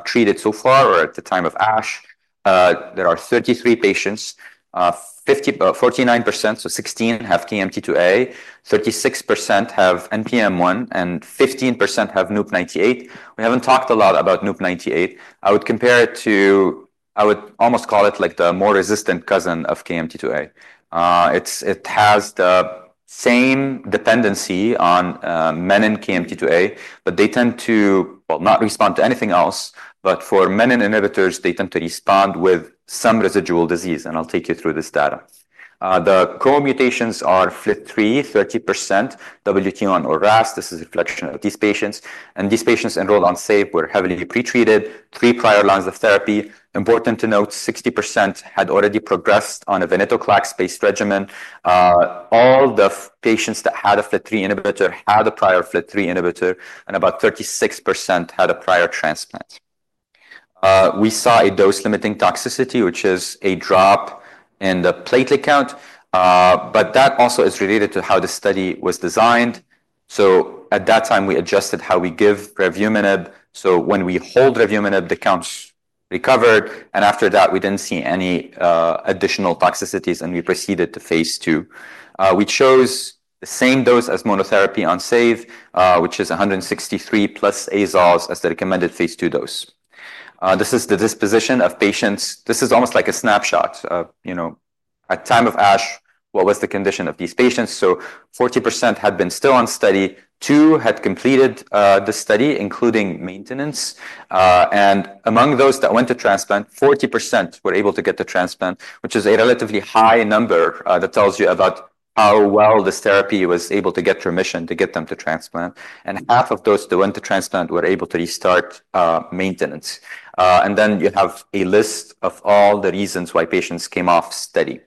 treated so far or at the time of ASH. There are 33 patients, 49%, so 16 have KMT2A, 36% have NPM1, and 15% have NUP98. We haven't talked a lot about NUP98. I would compare it to. I would almost call it like the more resistant cousin of KMT2A. It has the same dependency on menin KMT2A, but they tend to, well, not respond to anything else. For menin inhibitors, they tend to respond with some residual disease, and I'll take you through this data. The co-mutations are FLT3, 30%, WT1 or RAS. This is a reflection of these patients. These patients enrolled on SAVE were heavily pretreated, three prior lines of therapy. Important to note, 60% had already progressed on a venetoclax-based regimen. All the patients that had a FLT3 inhibitor had a prior FLT3 inhibitor, and about 36% had a prior transplant. We saw a dose-limiting toxicity, which is a drop in the platelet count. But that also is related to how the study was designed. So at that time, we adjusted how we give Revuforj. So when we hold Revuforj, the counts recovered. And after that, we didn't see any additional toxicities, and we proceeded to phase two. We chose the same dose as monotherapy on SAVE, which is 163 plus azoles as the recommended phase two dose. This is the disposition of patients. This is almost like a snapshot. At time of ASH, what was the condition of these patients? So 40% had been still on study. Two had completed the study, including maintenance. And among those that went to transplant, 40% were able to get to transplant, which is a relatively high number that tells you about how well this therapy was able to get remission to get them to transplant. Half of those that went to transplant were able to restart maintenance. Then you have a list of all the reasons why patients came off study.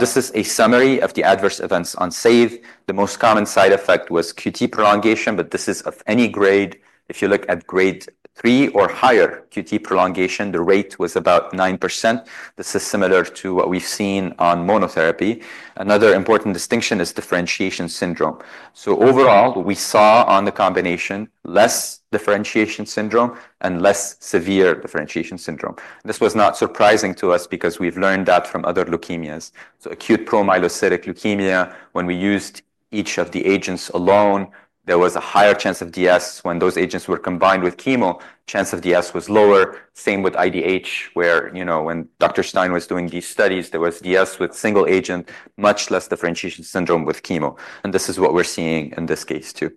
This is a summary of the adverse events on SAVE. The most common side effect was QT prolongation, but this is of any grade. If you look at grade three or higher QT prolongation, the rate was about 9%. This is similar to what we've seen on monotherapy. Another important distinction is differentiation syndrome. So overall, we saw on the combination less differentiation syndrome and less severe differentiation syndrome. This was not surprising to us because we've learned that from other leukemias. So acute promyelocytic leukemia, when we used each of the agents alone, there was a higher chance of DS. When those agents were combined with chemo, the chance of DS was lower. Same with IDH, where when Dr. Stein was doing these studies. There was DS with single agent, much less differentiation syndrome with chemo. This is what we're seeing in this case too.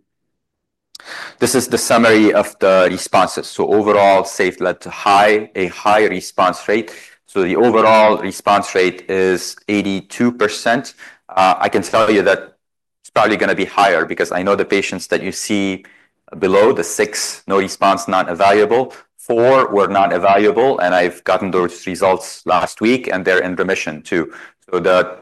This is the summary of the responses. Overall, SAVE led to a high response rate. The overall response rate is 82%. I can tell you that it's probably going to be higher because I know the patients that you see below the six, no response, not evaluable. Four were not evaluable, and I've gotten those results last week, and they're in remission too. The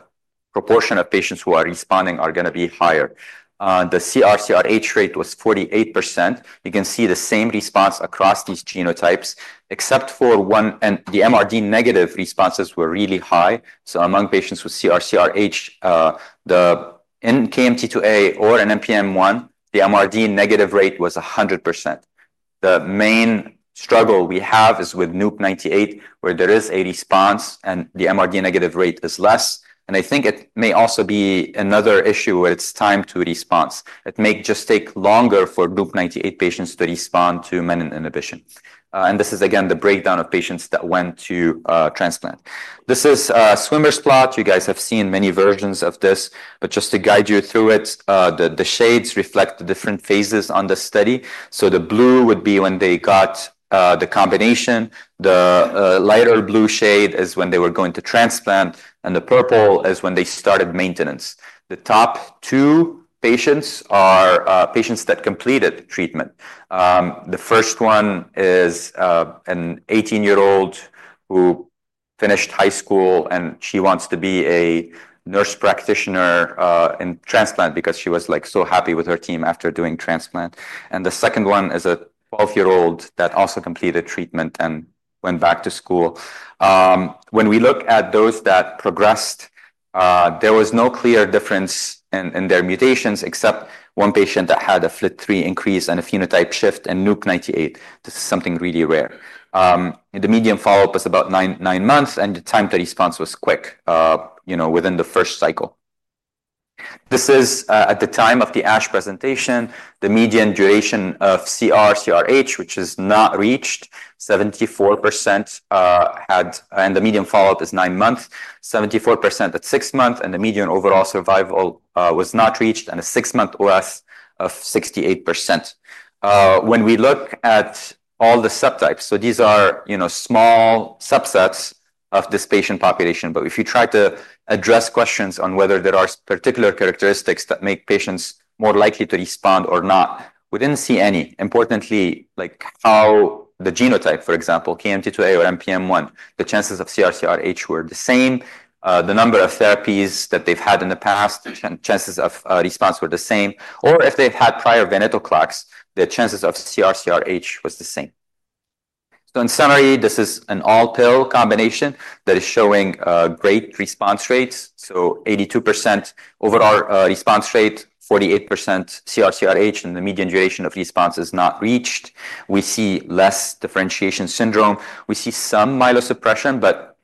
proportion of patients who are responding are going to be higher. The CR/CRh rate was 48%. You can see the same response across these genotypes, except for the MRD negative responses were really high. Among patients with CR/CRh, the KMT2A or an NPM1, the MRD negative rate was 100%. The main struggle we have is with NUP98, where there is a response and the MRD negative rate is less, and I think it may also be another issue where it's time to response. It may just take longer for NUP98 patients to respond to menin inhibition, and this is, again, the breakdown of patients that went to transplant. This is a swimmer's plot. You guys have seen many versions of this, but just to guide you through it, the shades reflect the different phases on the study, so the blue would be when they got the combination. The lighter blue shade is when they were going to transplant, and the purple is when they started maintenance. The top two patients are patients that completed treatment. The first one is an 18-year-old who finished high school, and she wants to be a nurse practitioner in transplant because she was so happy with her team after doing transplant, and the second one is a 12-year-old that also completed treatment and went back to school. When we look at those that progressed, there was no clear difference in their mutations, except one patient that had a FLT3 increase and a phenotype shift in NUP98. This is something really rare. The median follow-up was about nine months, and the time to response was quick within the first cycle. This is at the time of the ASH presentation, the median duration of CR/CRh, which is not reached, 74% had, and the median follow-up is nine months, 74% at six months, and the median overall survival was not reached, and a six-month OS of 68%. When we look at all the subtypes, so these are small subsets of this patient population, but if you try to address questions on whether there are particular characteristics that make patients more likely to respond or not, we didn't see any. Importantly, how the genotype, for example, KMT2A or NPM1, the chances of CR/CRh were the same. The number of therapies that they've had in the past, the chances of response were the same. Or if they've had prior venetoclax, the chances of CR/CRh was the same. So in summary, this is an all-pill combination that is showing great response rates. So 82% overall response rate, 48% CR/CRh, and the median duration of response is not reached. We see less differentiation syndrome. We see some myelosuppression, but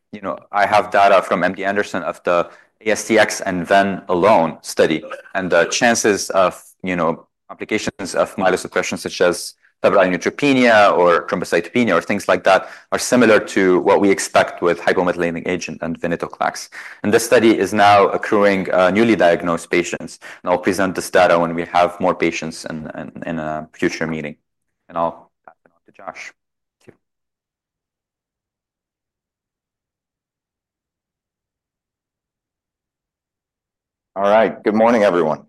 I have data from MD Anderson of the ASTX and VEN alone study. The chances of complications of myelosuppression, such as severe neutropenia or thrombocytopenia or things like that, are similar to what we expect with hypomethylating agent and venetoclax. This study is now accruing newly diagnosed patients. I'll present this data when we have more patients in a future meeting. I'll pass it on to Josh. Thank you.
All right. Good morning, everyone.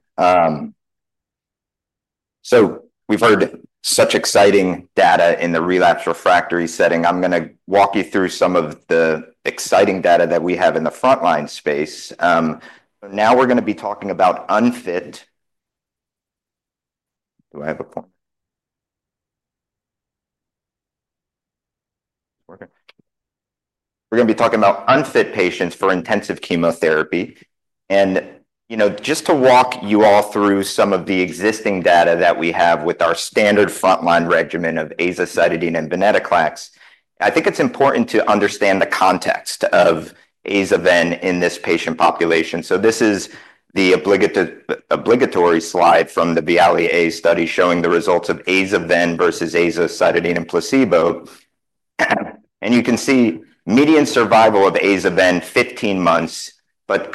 We've heard such exciting data in the relapsed refractory setting. I'm going to walk you through some of the exciting data that we have in the frontline space. Now we're going to be talking about unfit. Do I have a point? It's working. We're going to be talking about unfit patients for intensive chemotherapy. And just to walk you all through some of the existing data that we have with our standard frontline regimen of azacitidine and venetoclax, I think it's important to understand the context of Aza/Ven in this patient population. So this is the obligatory slide from the VIALE-A study showing the results of Aza/Ven versus azacitidine and placebo. And you can see median survival of Aza/Ven, 15 months, but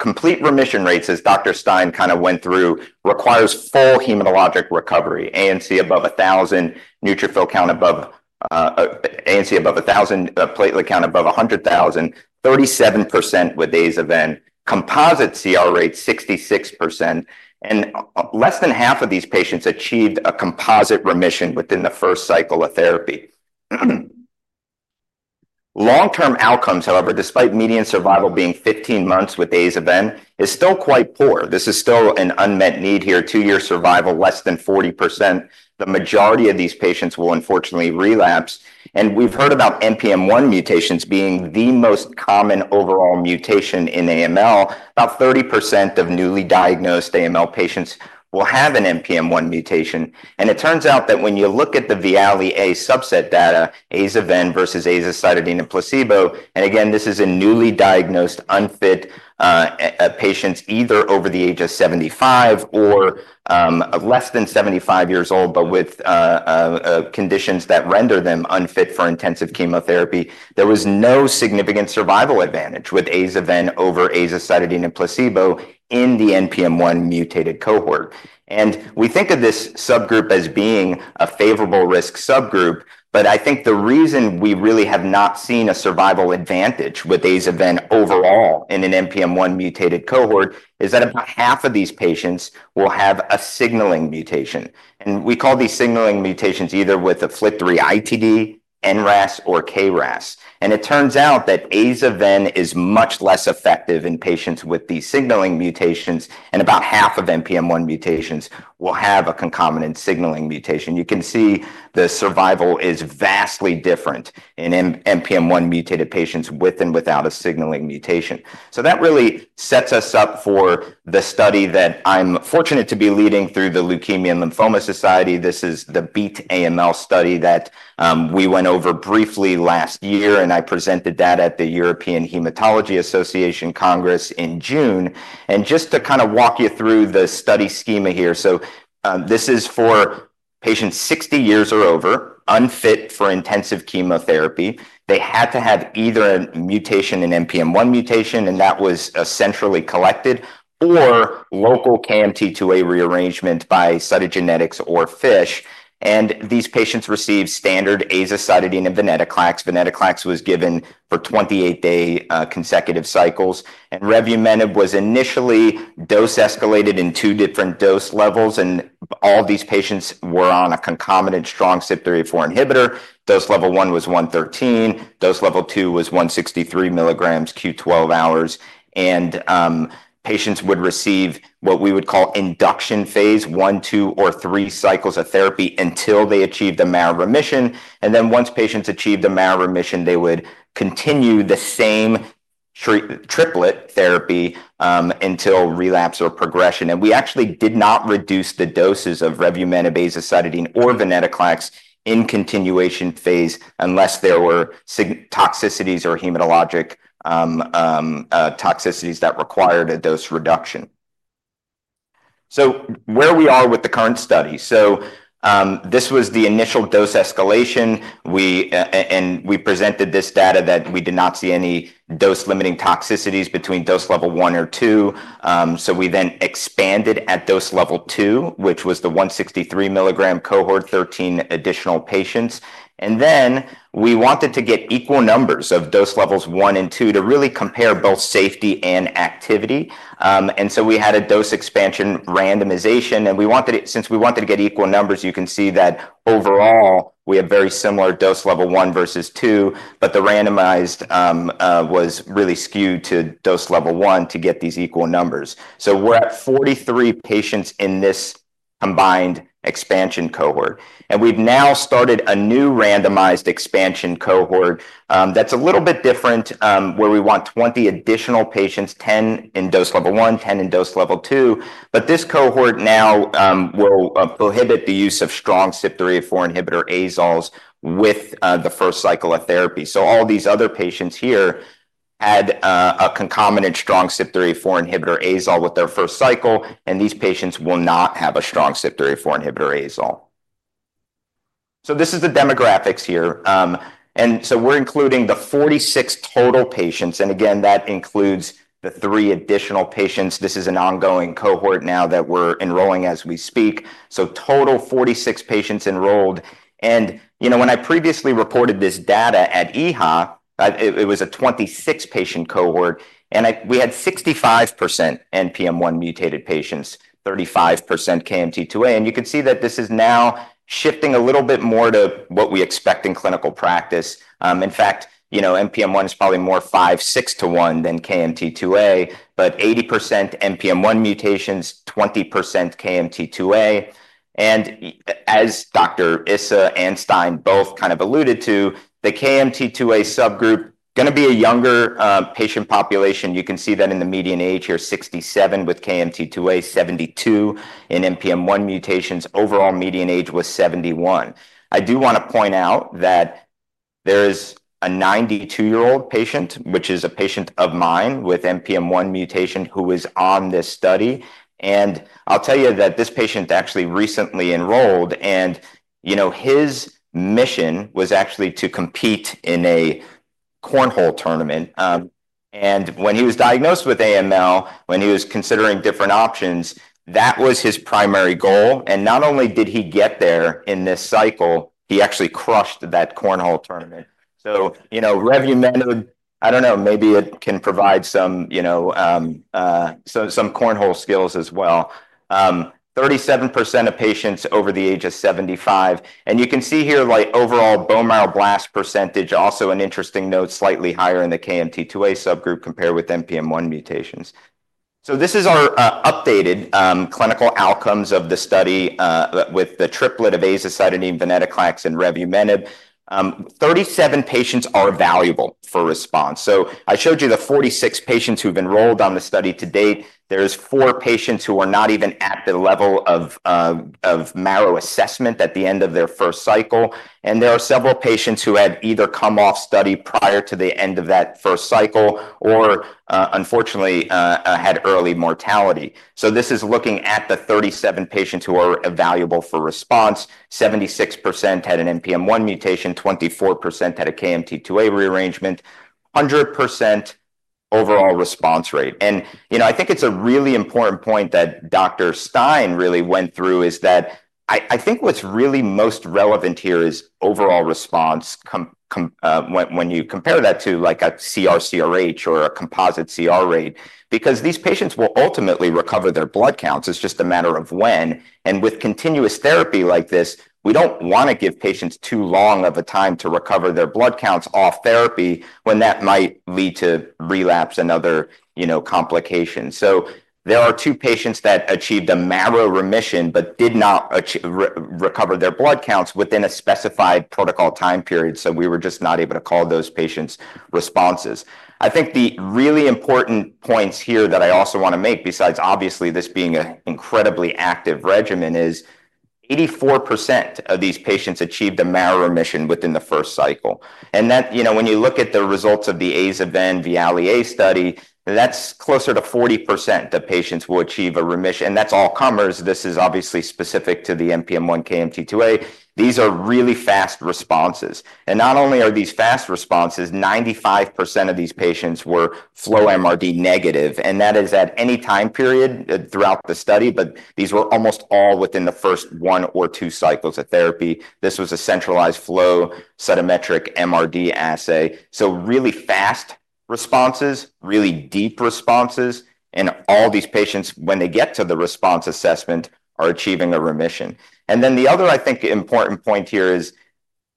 complete remission rates, as Dr. Stein kind of went through, requires full hematologic recovery. ANC above 1,000, neutrophil count above 1,000, platelet count above 100,000, 37% with Aza/Ven, composite CR rate, 66%. And less than half of these patients achieved a composite remission within the first cycle of therapy. Long-term outcomes, however, despite median survival being 15 months with Aza/Ven, is still quite poor. This is still an unmet need here. Two-year survival, less than 40%. The majority of these patients will unfortunately relapse. We've heard about NPM1 mutations being the most common overall mutation in AML. About 30% of newly diagnosed AML patients will have an NPM1 mutation. It turns out that when you look at the VIALE-A subset data, Aza/Ven versus azacitidine and placebo, and again, this is in newly diagnosed unfit patients, either over the age of 75 or less than 75 years old, but with conditions that render them unfit for intensive chemotherapy, there was no significant survival advantage with Aza/Ven over azacitidine and placebo in the NPM1 mutated cohort. We think of this subgroup as being a favorable risk subgroup, but I think the reason we really have not seen a survival advantage with Aza/Ven overall in an NPM1 mutated cohort is that about half of these patients will have a signaling mutation. And we call these signaling mutations either with a FLT3-ITD, NRAS, or KRAS. And it turns out that Aza/Ven is much less effective in patients with these signaling mutations, and about half of NPM1 mutations will have a concomitant signaling mutation. You can see the survival is vastly different in NPM1 mutated patients with and without a signaling mutation. So that really sets us up for the study that I'm fortunate to be leading through the Leukemia and Lymphoma Society. This is the BEAT AML study that we went over briefly last year, and I presented that at the European Hematology Association Congress in June. And just to kind of walk you through the study schema here, so this is for patients 60 years or over, unfit for intensive chemotherapy. They had to have either an NPM1 mutation, and that was centrally collected, or local KMT2A rearrangement by cytogenetics or FISH. And these patients received standard azacitidine and venetoclax. venetoclax was given for 28-day consecutive cycles. And revumenib was initially dose-escalated in two different dose levels, and all these patients were on a concomitant strong CYP3A4 inhibitor. Dose level one was 113. Dose level two was 163 milligrams q12 hours. And patients would receive what we would call induction phase, one, two, or three cycles of therapy until they achieved a CR remission. And then once patients achieved a CR remission, they would continue the same triplet therapy until relapse or progression. And we actually did not reduce the doses of revumenib, azacitidine, or venetoclax in continuation phase unless there were toxicities or hematologic toxicities that required a dose reduction. So where we are with the current study. This was the initial dose escalation. And we presented this data that we did not see any dose-limiting toxicities between dose level one or two. So we then expanded at dose level two, which was the 163 milligrams cohort, 13 additional patients. And then we wanted to get equal numbers of dose levels one and two to really compare both safety and activity. And so we had a dose expansion randomization. And since we wanted to get equal numbers, you can see that overall, we have very similar dose level one versus two, but the randomization was really skewed to dose level one to get these equal numbers. So we're at 43 patients in this combined expansion cohort. And we've now started a new randomized expansion cohort that's a little bit different where we want 20 additional patients, 10 in dose level one, 10 in dose level two. But this cohort now will prohibit the use of strong CYP3A4 inhibitor azoles with the first cycle of therapy. So all these other patients here had a concomitant strong CYP3A4 inhibitor azole with their first cycle, and these patients will not have a strong CYP3A4 inhibitor azole. So this is the demographics here. And so we're including the 46 total patients. And again, that includes the three additional patients. This is an ongoing cohort now that we're enrolling as we speak. So total 46 patients enrolled. And when I previously reported this data at EHA, it was a 26-patient cohort, and we had 65% NPM1 mutated patients, 35% KMT2A. And you can see that this is now shifting a little bit more to what we expect in clinical practice. In fact, NPM1 is probably more five, six to one than KMT2A, but 80% NPM1 mutations, 20% KMT2A. And as Dr. Issa and Stein both kind of alluded to the KMT2A subgroup going to be a younger patient population. You can see that in the median age here, 67 with KMT2A, 72 in NPM1 mutations. Overall median age was 71. I do want to point out that there is a 92-year-old patient, which is a patient of mine with NPM1 mutation, who is on this study. And I'll tell you that this patient actually recently enrolled, and his mission was actually to compete in a cornhole tournament. And when he was diagnosed with AML, when he was considering different options, that was his primary goal. And not only did he get there in this cycle, he actually crushed that cornhole tournament. So revumenib, I don't know, maybe it can provide some cornhole skills as well. 37% of patients over the age of 75. You can see here overall bone marrow blast percentage, also an interesting note, slightly higher in the KMT2A subgroup compared with NPM1 mutations. This is our updated clinical outcomes of the study with the triplet of azacitidine, venetoclax, and Revuforj. 37 patients are evaluable for response. I showed you the 46 patients who've enrolled on the study to date. There are four patients who are not even at the level of marrow assessment at the end of their first cycle. There are several patients who had either come off study prior to the end of that first cycle or, unfortunately, had early mortality. This is looking at the 37 patients who are evaluable for response. 76% had an NPM1 mutation, 24% had a KMT2A rearrangement, 100% overall response rate. I think it's a really important point that Dr. Stein really went through is that I think what's really most relevant here is overall response when you compare that to a CR/CRh or a composite CR rate, because these patients will ultimately recover their blood counts. It's just a matter of when, and with continuous therapy like this, we don't want to give patients too long of a time to recover their blood counts off therapy when that might lead to relapse and other complications, so there are two patients that achieved a marrow remission but did not recover their blood counts within a specified protocol time period, so we were just not able to call those patients responses. I think the really important points here that I also want to make, besides obviously this being an incredibly active regimen, is 84% of these patients achieved a marrow remission within the first cycle. And when you look at the results of the VIALE-A study, that's closer to 40% of patients will achieve a remission. And that's all comers. This is obviously specific to the NPM1, KMT2A. These are really fast responses. And not only are these fast responses, 95% of these patients were flow MRD negative. And that is at any time period throughout the study, but these were almost all within the first one or two cycles of therapy. This was a centralized flow cytometric MRD assay. So really fast responses, really deep responses. And all these patients, when they get to the response assessment, are achieving a remission. And then the other, I think, important point here is,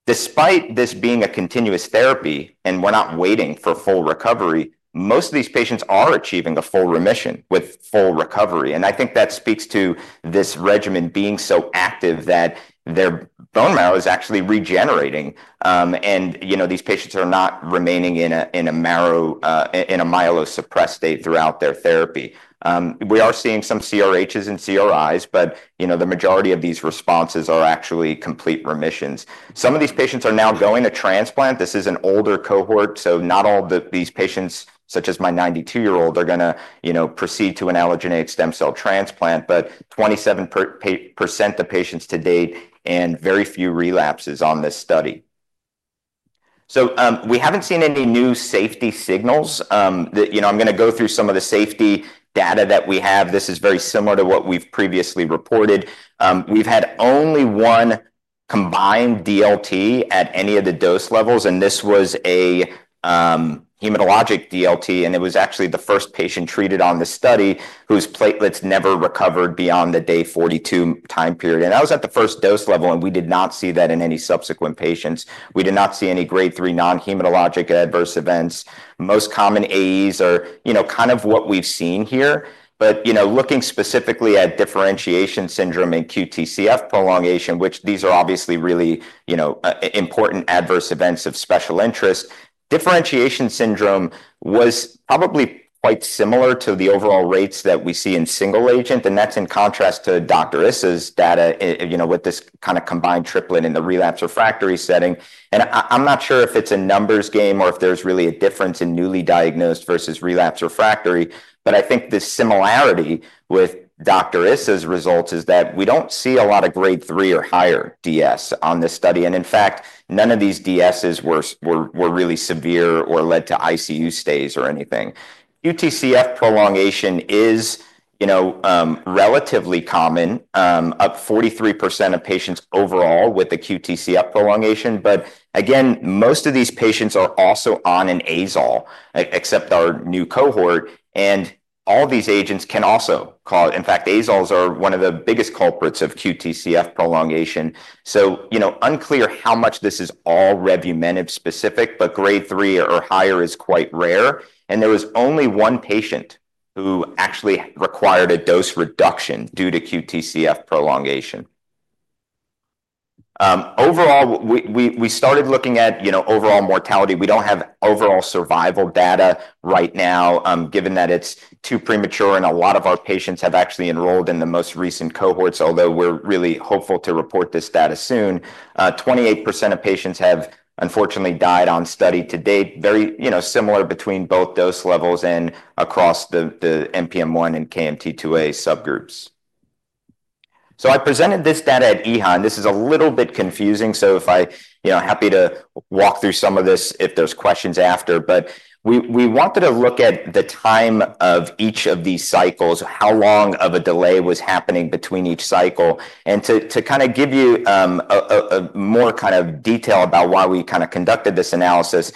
despite this being a continuous therapy and we're not waiting for full recovery, most of these patients are achieving a full remission with full recovery. I think that speaks to this regimen being so active that their bone marrow is actually regenerating. These patients are not remaining in a myelosuppressed state throughout their therapy. We are seeing some CRh and CRi, but the majority of these responses are actually complete remissions. Some of these patients are now going to transplant. This is an older cohort. Not all of these patients, such as my 92-year-old, are going to proceed to an allogeneic stem cell transplant, but 27% of patients to date, and very few relapses on this study. We haven't seen any new safety signals. I'm going to go through some of the safety data that we have. This is very similar to what we've previously reported. We've had only one combined DLT at any of the dose levels, and this was a hematologic DLT. And it was actually the first patient treated on the study whose platelets never recovered beyond the day 42 time period. And that was at the first dose level, and we did not see that in any subsequent patients. We did not see any grade 3 non-hematologic adverse events. Most common AEs are kind of what we've seen here. But looking specifically at differentiation syndrome and QTcF prolongation, which these are obviously really important adverse events of special interest, differentiation syndrome was probably quite similar to the overall rates that we see in single agent. And that's in contrast to Dr. Issa's data with this kind of combined triplet in the relapsed refractory setting. And I'm not sure if it's a numbers game or if there's really a difference in newly diagnosed versus relapsed refractory. But I think the similarity with Dr. Issa's results is that we don't see a lot of grade 3 or higher DS on this study. In fact, none of these DSs were really severe or led to ICU stays or anything. QTcF prolongation is relatively common, up 43% of patients overall with the QTcF prolongation. But again, most of these patients are also on an azole, except our new cohort. And all these agents can also cause. In fact, azoles are one of the biggest culprits of QTcF prolongation. So unclear how much this is all revumenib specific, but grade 3 or higher is quite rare. And there was only one patient who actually required a dose reduction due to QTcF prolongation. Overall, we started looking at overall mortality. We don't have overall survival data right now, given that it's too premature. A lot of our patients have actually enrolled in the most recent cohorts, although we're really hopeful to report this data soon. 28% of patients have, unfortunately, died on study to date. Very similar between both dose levels and across the NPM1 and KMT2A subgroups. I presented this data at EHA. This is a little bit confusing. I'm happy to walk through some of this if there's questions after. We wanted to look at the time of each of these cycles, how long of a delay was happening between each cycle. To kind of give you more kind of detail about why we kind of conducted this analysis,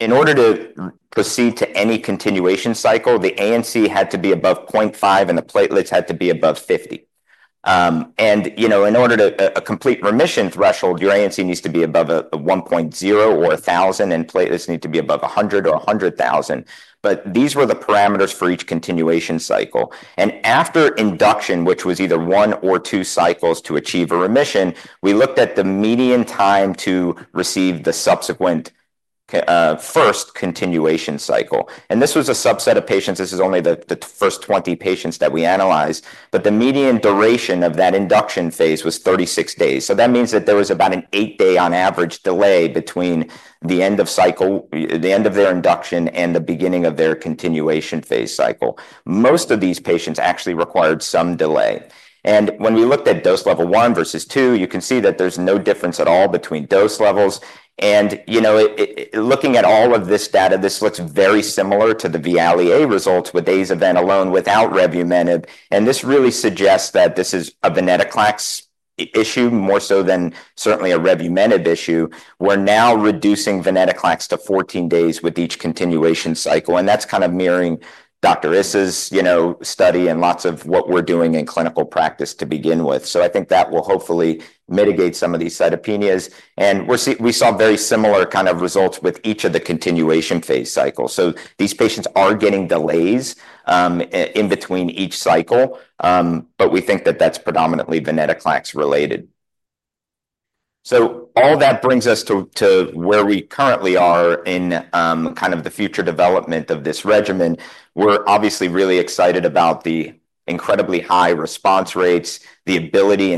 in order to proceed to any continuation cycle, the ANC had to be above 0.5 and the platelets had to be above 50. In order to a complete remission threshold, your ANC needs to be above 1.0 or 1,000, and platelets need to be above 100 or 100,000. These were the parameters for each continuation cycle. After induction, which was either one or two cycles to achieve a remission, we looked at the median time to receive the subsequent first continuation cycle. This was a subset of patients. This is only the first 20 patients that we analyzed. The median duration of that induction phase was 36 days. That means that there was about an eight-day on average delay between the end of cycle, the end of their induction, and the beginning of their continuation phase cycle. Most of these patients actually required some delay. When we looked at dose level one versus two, you can see that there's no difference at all between dose levels. Looking at all of this data, this looks very similar to the VIALE-A results with azacitidine alone without revumenib. This really suggests that this is a venetoclax issue more so than certainly a revumenib issue. We're now reducing venetoclax to 14 days with each continuation cycle. That's kind of mirroring Dr. Issa's study and lots of what we're doing in clinical practice to begin with. I think that will hopefully mitigate some of these cytopenias. We saw very similar kind of results with each of the continuation phase cycles. These patients are getting delays in between each cycle, but we think that that's predominantly venetoclax related. All that brings us to where we currently are in kind of the future development of this regimen. We're obviously really excited about the incredibly high response rates, the ability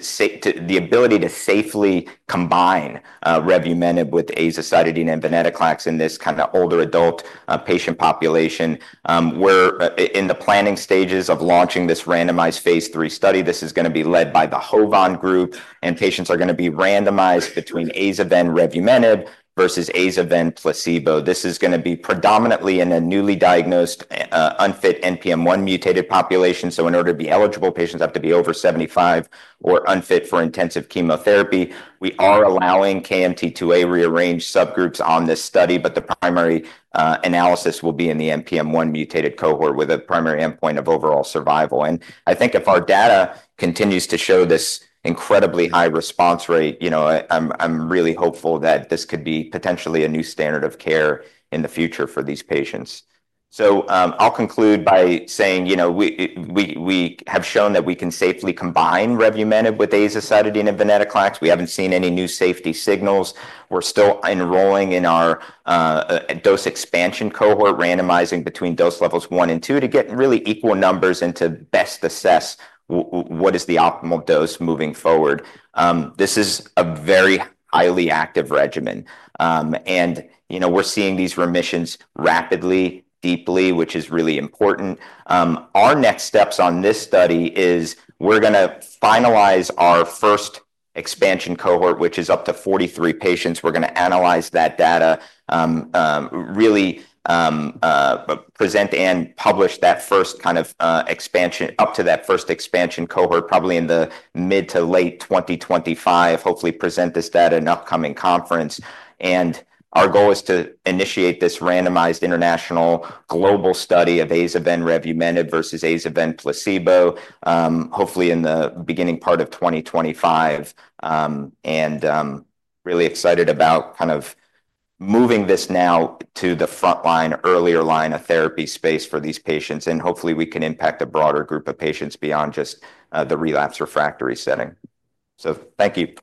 to safely combine Revuforj with azacitidine and venetoclax in this kind of older adult patient population. We're in the planning stages of launching this randomized phase three study. This is going to be led by the HOVON group, and patients are going to be randomized between azacitidine, Revuforj versus azacitidine placebo. This is going to be predominantly in a newly diagnosed unfit NPM1 mutated population. So in order to be eligible, patients have to be over 75 or unfit for intensive chemotherapy. We are allowing KMT2A rearranged subgroups on this study, but the primary analysis will be in the NPM1 mutated cohort with a primary endpoint of overall survival. And I think if our data continues to show this incredibly high response rate, I'm really hopeful that this could be potentially a new standard of care in the future for these patients. So I'll conclude by saying we have shown that we can safely combine revumenib with azacitidine and venetoclax. We haven't seen any new safety signals. We're still enrolling in our dose expansion cohort, randomizing between dose levels one and two to get really equal numbers and to best assess what is the optimal dose moving forward. This is a very highly active regimen. And we're seeing these remissions rapidly, deeply, which is really important. Our next steps on this study is we're going to finalize our first expansion cohort, which is up to 43 patients. We're going to analyze that data, really present and publish that first kind of expansion up to that first expansion cohort, probably in the mid- to late 2025, hopefully present this data in an upcoming conference. And our goal is to initiate this randomized international global study of azacitidine, Revuforj versus azacitidine placebo, hopefully in the beginning part of 2025. And really excited about kind of moving this now to the front line, earlier line of therapy space for these patients. And hopefully, we can impact a broader group of patients beyond just the relapsed refractory setting. So thank you.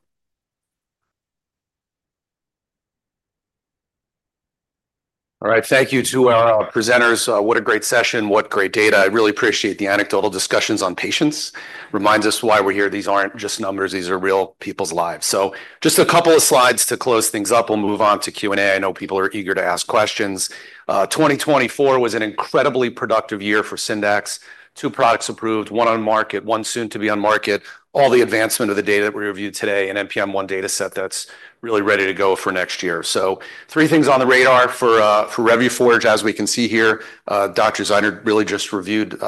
All right. Thank you to our presenters. What a great session. What great data. I really appreciate the anecdotal discussions on patients. Reminds us why we're here. These aren't just numbers. These are real people's lives. So just a couple of slides to close things up. We'll move on to Q&A. I know people are eager to ask questions. 2024 was an incredibly productive year for Syndax. Two products approved, one on market, one soon to be on market. All the advancement of the data that we reviewed today in NPM1 dataset that's really ready to go for next year. So three things on the radar for Revuforj, as we can see here. Dr. Zeidner really just reviewed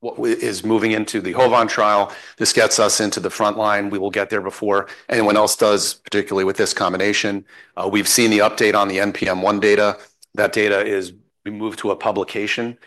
what is moving into the HOVON trial. This gets us into the front line. We will get there before anyone else does, particularly with this combination. We've seen the update on the NPM1 data. That data is moved to a publication.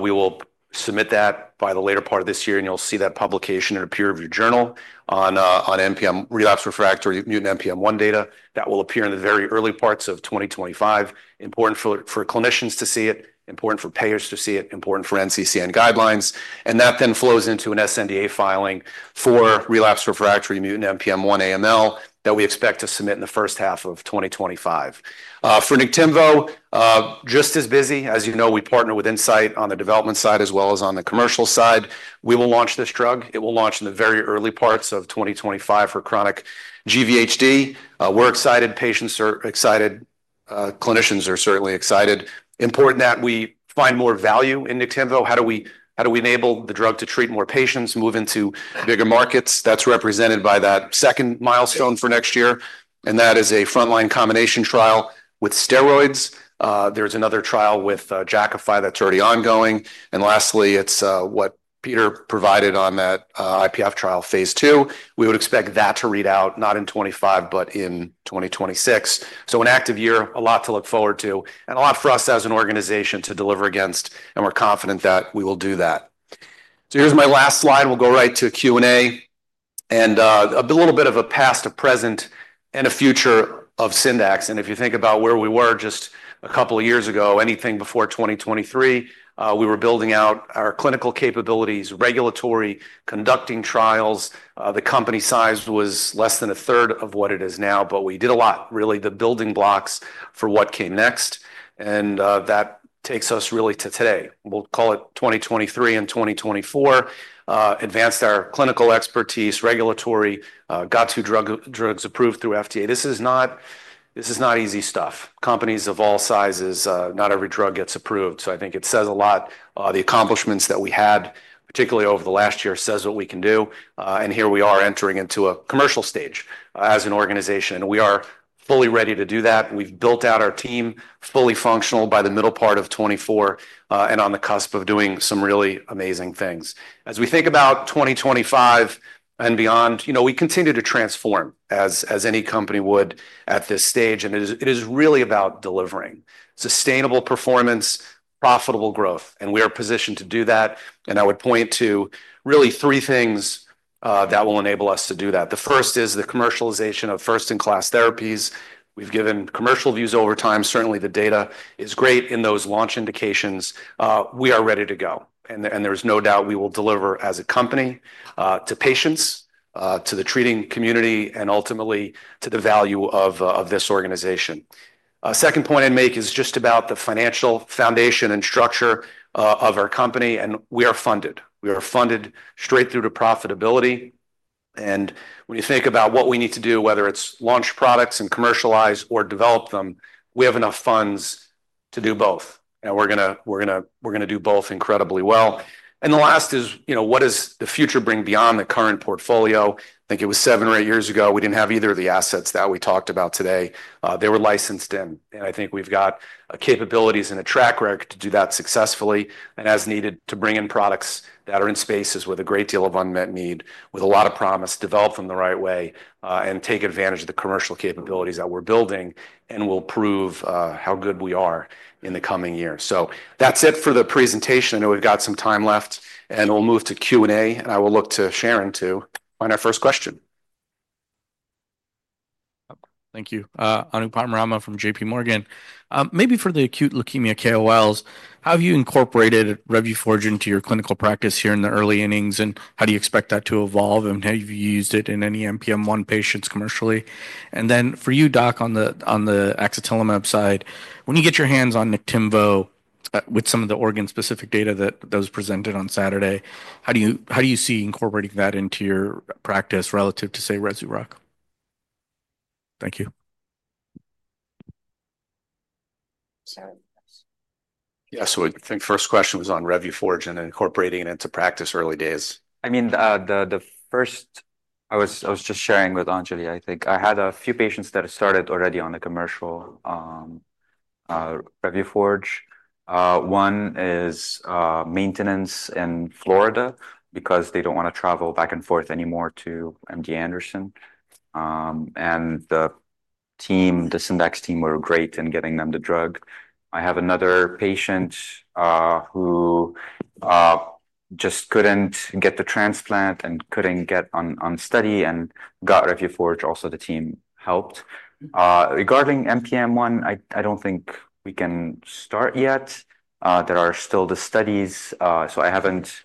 We will submit that by the later part of this year, and you'll see that publication in a peer-reviewed journal on NPM relapsed refractory mutant NPM1 data. That will appear in the very early parts of 2025. Important for clinicians to see it, important for payers to see it, important for NCCN guidelines. And that then flows into an SNDA filing for relapsed refractory mutant NPM1 AML that we expect to submit in the first half of 2025. For Niktimvo, just as busy, as you know, we partner with Incyte on the development side as well as on the commercial side. We will launch this drug. It will launch in the very early parts of 2025 for chronic GVHD. We're excited. Patients are excited. Clinicians are certainly excited. Important that we find more value in Niktimvo. How do we enable the drug to treat more patients, move into bigger markets? That's represented by that second milestone for next year. And that is a frontline combination trial with steroids. There's another trial with Jakafi that's already ongoing. And lastly, it's what Peter provided on that IPF trial, phase two. We would expect that to read out not in 2025, but in 2026. So an active year, a lot to look forward to, and a lot for us as an organization to deliver against. And we're confident that we will do that. So here's my last slide. We'll go right to Q&A and a little bit of a past, a present, and a future of Syndax. And if you think about where we were just a couple of years ago, anything before 2023, we were building out our clinical capabilities, regulatory, conducting trials. The company size was less than a third of what it is now, but we did a lot, really, the building blocks for what came next. And that takes us really to today. We'll call it 2023 and 2024. Advanced our clinical expertise, regulatory, got two drugs approved through FDA. This is not easy stuff. Companies of all sizes, not every drug gets approved. So I think it says a lot. The accomplishments that we had, particularly over the last year, says what we can do, and here we are entering into a commercial stage as an organization, and we are fully ready to do that. We've built out our team, fully functional by the middle part of 2024, and on the cusp of doing some really amazing things. As we think about 2025 and beyond, we continue to transform as any company would at this stage, and it is really about delivering sustainable performance, profitable growth, and we are positioned to do that, and I would point to really three things that will enable us to do that. The first is the commercialization of first-in-class therapies. We've given commercial views over time. Certainly, the data is great in those launch indications. We are ready to go, and there's no doubt we will deliver as a company to patients, to the treating community, and ultimately to the value of this organization. Second point I'd make is just about the financial foundation and structure of our company, and we are funded. We are funded straight through to profitability, and when you think about what we need to do, whether it's launch products and commercialize or develop them, we have enough funds to do both. And we're going to do both incredibly well, and the last is, what does the future bring beyond the current portfolio? I think it was seven or eight years ago, we didn't have either of the assets that we talked about today. They were licensed in. And I think we've got capabilities and a track record to do that successfully and as needed to bring in products that are in spaces with a great deal of unmet need, with a lot of promise, develop them the right way, and take advantage of the commercial capabilities that we're building, and we'll prove how good we are in the coming year. So that's it for the presentation. I know we've got some time left, and we'll move to Q&A. And I will look to Sharon to find our first question.
Thank you. Anupam Rama from JPMorgan. Maybe for the acute leukemia KOLs, how have you incorporated Revuforj into your clinical practice here in the early innings? And how do you expect that to evolve? And have you used it in any NPM1 patients commercially? Then for you, Doc, on the axatilimab side, when you get your hands on Niktimvo with some of the organ-specific data that was presented on Saturday, how do you see incorporating that into your practice relative to, say, Rezurock? Thank you.
Yeah. I think the first question was on Revuforj and incorporating it into practice early days. I mean, the first, I was just sharing with Anjali, I think. I had a few patients that had started already on the commercial Revuforj. One is maintenance in Florida because they don't want to travel back and forth anymore to MD Anderson. And the Syndax team were great in getting them the drug. I have another patient who just couldn't get the transplant and couldn't get on study and got Revuforj. Also, the team helped. Regarding NPM1, I don't think we can start yet. There are still the studies. So I haven't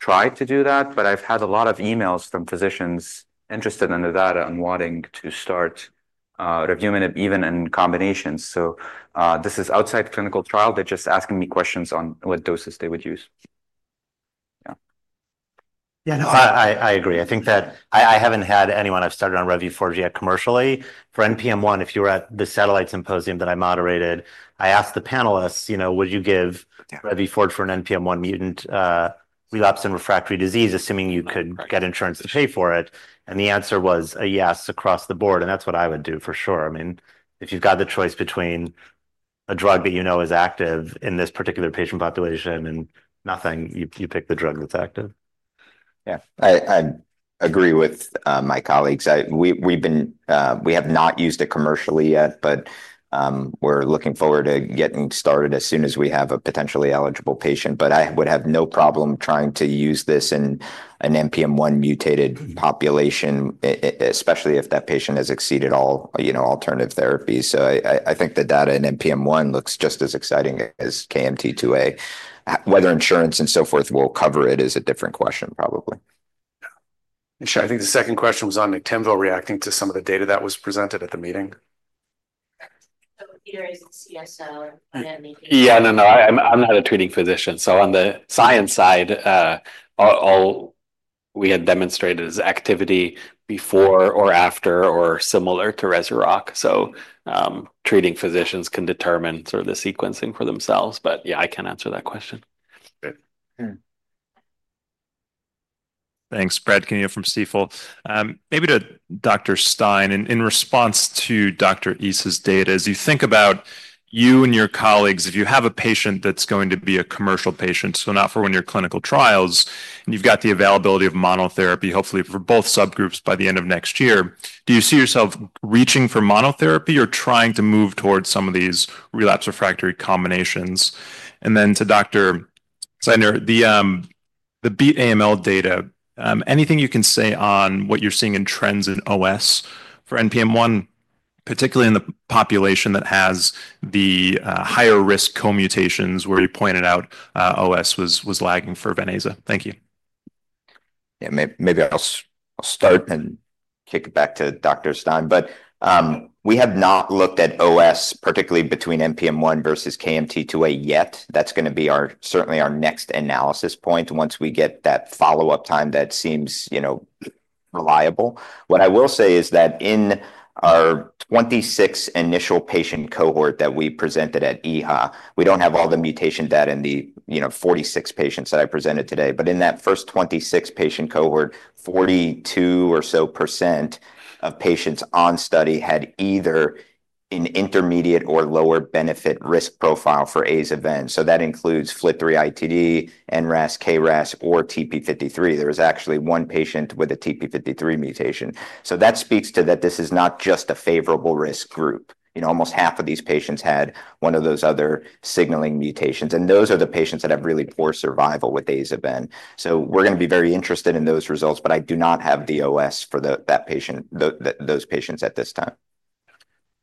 tried to do that, but I've had a lot of emails from physicians interested in the data and wanting to start Revuforj even in combinations. So this is outside clinical trial. They're just asking me questions on what doses they would use. Yeah.
Yeah, no, I agree. I think that I haven't had anyone I've started on Revuforj yet commercially. For NPM1, if you were at the satellite symposium that I moderated, I asked the panelists, "Would you give Revuforj for an NPM1 mutant relapse and refractory disease, assuming you could get insurance to pay for it?" And the answer was a yes across the board. And that's what I would do for sure. I mean, if you've got the choice between a drug that you know is active in this particular patient population and nothing, you pick the drug that's active. Yeah.
I agree with my colleagues. We have not used it commercially yet, but we're looking forward to getting started as soon as we have a potentially eligible patient. But I would have no problem trying to use this in an NPM1 mutated population, especially if that patient has exceeded all alternative therapies. So I think the data in NPM1 looks just as exciting as KMT2A. Whether insurance and so forth will cover it is a different question, probably.
Sure. I think the second question was on Niktimvo reacting to some of the data that was presented at the meeting.
So Peter is a CSO.
Yeah, no, no. I'm not a treating physician. So on the science side, all we had demonstrated is activity before or after or similar to Rezurock. So treating physicians can determine sort of the sequencing for themselves. But yeah, I can't answer that question.
Thanks. Brad here from Stifel. Maybe to Dr. Stein, in response to Dr. Issa's data, as you think about you and your colleagues, if you have a patient that's going to be a commercial patient, so not for one of your clinical trials, and you've got the availability of monotherapy, hopefully for both subgroups by the end of next year, do you see yourself reaching for monotherapy or trying to move towards some of these relapsed refractory combinations? And then to Dr. Zeidner, the BEAT AML data, anything you can say on what you're seeing in trends in OS for NPM1, particularly in the population that has the higher risk co-mutations where you pointed out OS was lagging for Vidaza? Thank you.
Yeah, maybe I'll start and kick it back to Dr. Stein. But we have not looked at OS, particularly between NPM1 versus KMT2A yet. That's going to be certainly our next analysis point once we get that follow-up time that seems reliable. What I will say is that in our 26 initial patient cohort that we presented at EHA, we don't have all the mutation data in the 46 patients that I presented today. But in that first 26 patient cohort, 42% or so of patients on study had either an intermediate or lower benefit risk profile for Aza/Ven. So that includes FLT3-ITD, NRAS, KRAS, or TP53. There was actually one patient with a TP53 mutation. So that speaks to that this is not just a favorable risk group. Almost half of these patients had one of those other signaling mutations. And those are the patients that have really poor survival with Aza/Ven. We're going to be very interested in those results, but I do not have the OS for those patients at this time.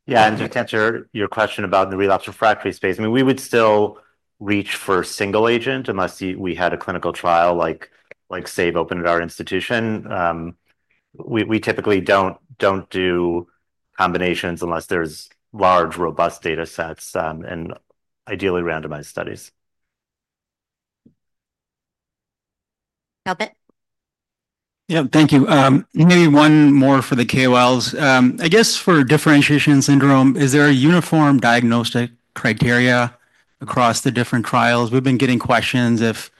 Yeah. To answer your question about the relapsed refractory space, I mean, we would still reach for single agent unless we had a clinical trial like SAVE opened at our institution. We typically don't do combinations unless there's large, robust data sets and ideally randomized studies.
Yeah, thank you. Maybe one more for the KOLs. I guess for differentiation syndrome, is there a uniform diagnostic criteria across the different trials? We've been getting questions if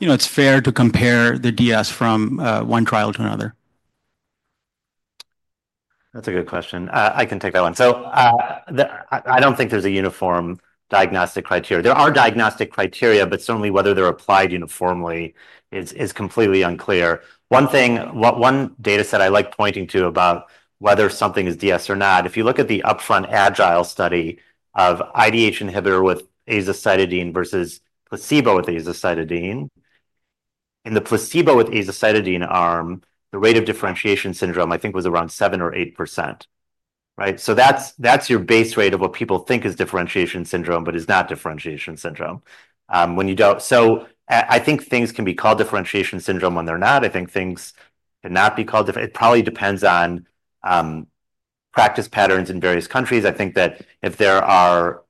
it's fair to compare the DS from one trial to another.
That's a good question. I can take that one. So I don't think there's a uniform diagnostic criteria. There are diagnostic criteria, but certainly whether they're applied uniformly is completely unclear. One thing, one data set I like pointing to about whether something is DS or not, if you look at the upfront AGILE study of IDH inhibitor with azacitidine versus placebo with azacitidine, in the placebo with azacitidine arm, the rate of differentiation syndrome, I think, was around 7% or 8%. Right? So that's your base rate of what people think is differentiation syndrome, but is not differentiation syndrome. So I think things can be called differentiation syndrome when they're not. I think things cannot be called different. It probably depends on practice patterns in various countries. I think that if there are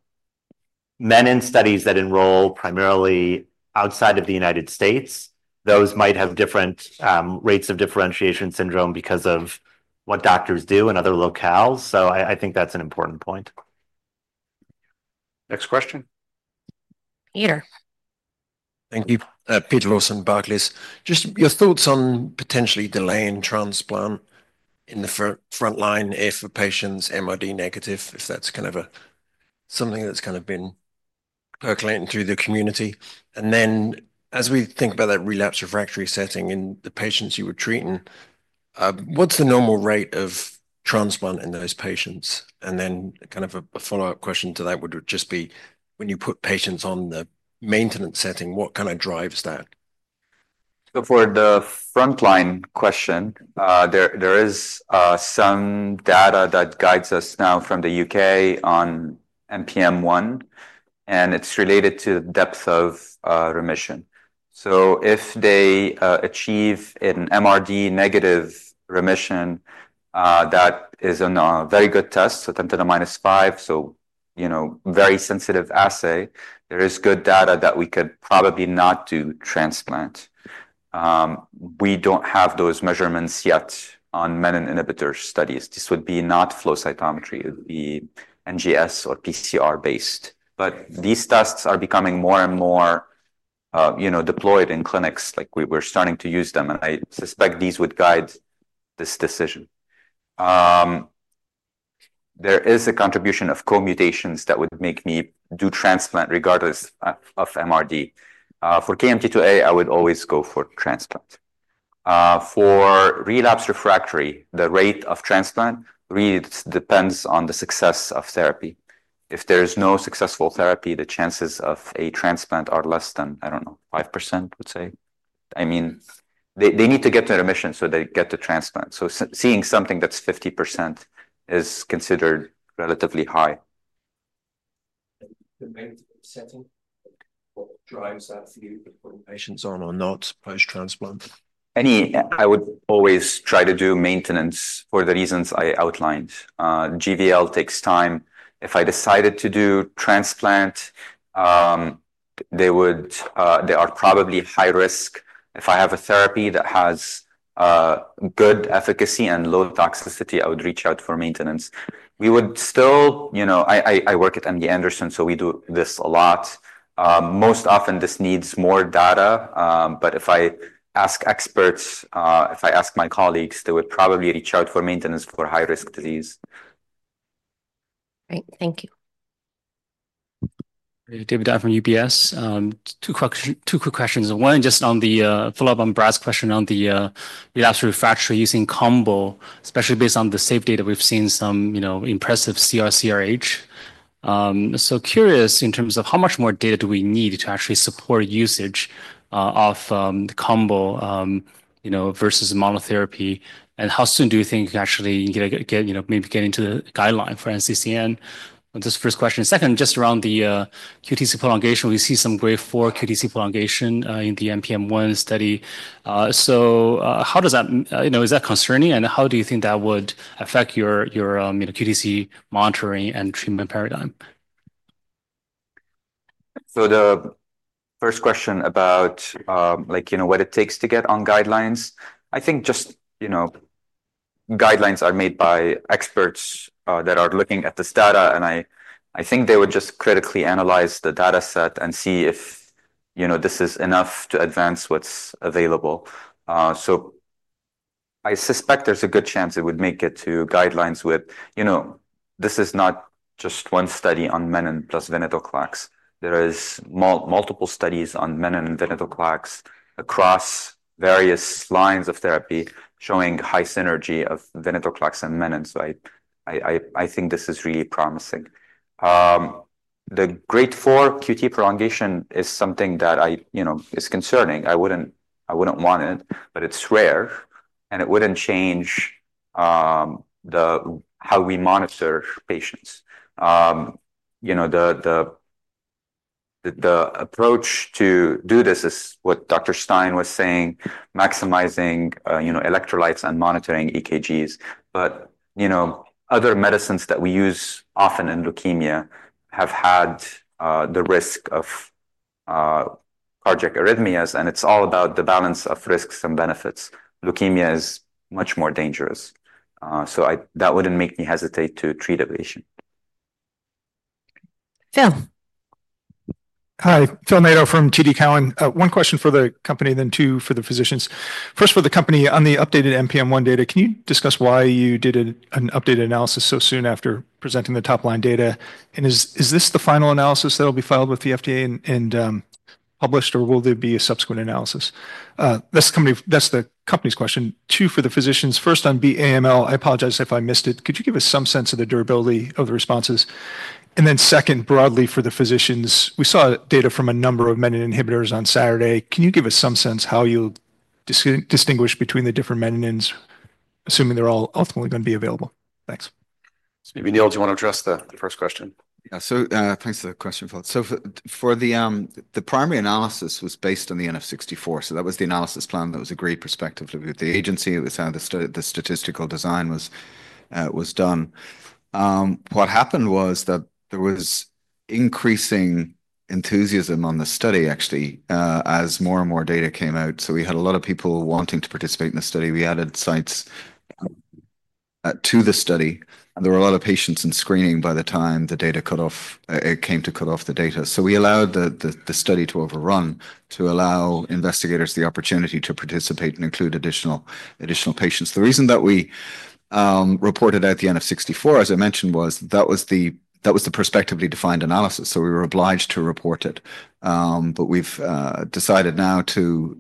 menin studies that enroll primarily outside of the United States, those might have different rates of differentiation syndrome because of what doctors do in other locales. So I think that's an important point.
Next question.
Peter.
Thank you. Peter Lawson, Barclays. Just your thoughts on potentially delaying transplant in the front line if a patient's MRD negative, if that's kind of something that's kind of been percolating through the community. And then as we think about that relapsed refractory setting in the patients you were treating, what's the normal rate of transplant in those patients? And then kind of a follow-up question to that would just be, when you put patients on the maintenance setting, what kind of drives that?
So for the front line question, there is some data that guides us now from the U.K. on NPM1, and it's related to depth of remission. So if they achieve an MRD negative remission, that is a very good test, so 10 to the minus 5, so very sensitive assay, there is good data that we could probably not do transplant. We don't have those measurements yet on menin inhibitor studies. This would be not flow cytometry. It would be NGS or PCR-based. But these tests are becoming more and more deployed in clinics. We're starting to use them. And I suspect these would guide this decision. There is a contribution of co-mutations that would make me do transplant regardless of MRD. For KMT2A, I would always go for transplant. For relapsed refractory, the rate of transplant really depends on the success of therapy. If there is no successful therapy, the chances of a transplant are less than, I don't know, 5%, I would say. I mean, they need to get to remission so they get to transplant. So seeing something that's 50% is considered relatively high.
The maintenance setting, what drives that for you before patients on or not post-transplant?
I would always try to do maintenance for the reasons I outlined. GVL takes time. If I decided to do transplant, they are probably high risk. If I have a therapy that has good efficacy and low toxicity, I would reach out for maintenance. We would still, I work at MD Anderson, so we do this a lot. Most often, this needs more data. But if I ask experts, if I ask my colleagues, they would probably reach out for maintenance for high-risk disease.
Great. Thank you.
David Dai from UBS. Two quick questions. One just on the follow-up on Brad's question on the relapsed refractory using combo, especially based on the safety that we've seen some impressive CR/CRh. So curious in terms of how much more data do we need to actually support usage of the combo versus monotherapy? How soon do you think you can actually maybe get into the guideline for NCCN? That's the first question. Second, just around the QTc prolongation, we see some grade 4 QTc prolongation in the NPM1 study. How does that, is that concerning? How do you think that would affect your QTc monitoring and treatment paradigm?
The first question about what it takes to get on guidelines, I think just guidelines are made by experts that are looking at this data. I think they would just critically analyze the dataset and see if this is enough to advance what's available. I suspect there's a good chance it would make it to guidelines with this. This is not just one study on menin plus venetoclax. There are multiple studies on menin and venetoclax across various lines of therapy showing high synergy of venetoclax and menins. So I think this is really promising. The grade 4 QT prolongation is something that is concerning. I wouldn't want it, but it's rare. And it wouldn't change how we monitor patients. The approach to do this is what Dr. Stein was saying, maximizing electrolytes and monitoring EKGs. But other medicines that we use often in leukemia have had the risk of cardiac arrhythmias. And it's all about the balance of risks and benefits. Leukemia is much more dangerous. So that wouldn't make me hesitate to treat a patient.
Phil.
Hi, Phil Nadeau from TD Cowen. One question for the company, then two for the physicians. First, for the company, on the updated NPM1 data, can you discuss why you did an updated analysis so soon after presenting the top line data? And is this the final analysis that will be filed with the FDA and published, or will there be a subsequent analysis? That's the company's question. Two for the physicians. First, on BEAT AML, I apologize if I missed it. Could you give us some sense of the durability of the responses? And then second, broadly for the physicians, we saw data from a number of menin inhibitors on Saturday. Can you give us some sense how you distinguish between the different menins, assuming they're all ultimately going to be available? Thanks.
Maybe Neil, do you want to address the first question?
Yeah. So thanks for the question, Phil. So for the primary analysis was based on the N=64. So that was the analysis plan that was agreed prospectively with the agency with how the statistical design was done. What happened was that there was increasing enthusiasm on the study, actually, as more and more data came out. So we had a lot of people wanting to participate in the study. We added sites to the study. And there were a lot of patients in screening by the time the data came to cut off the data. So we allowed the study to overrun to allow investigators the opportunity to participate and include additional patients. The reason that we reported out the N=64, as I mentioned, was that was the prospectively defined analysis. So we were obliged to report it. But we've decided now to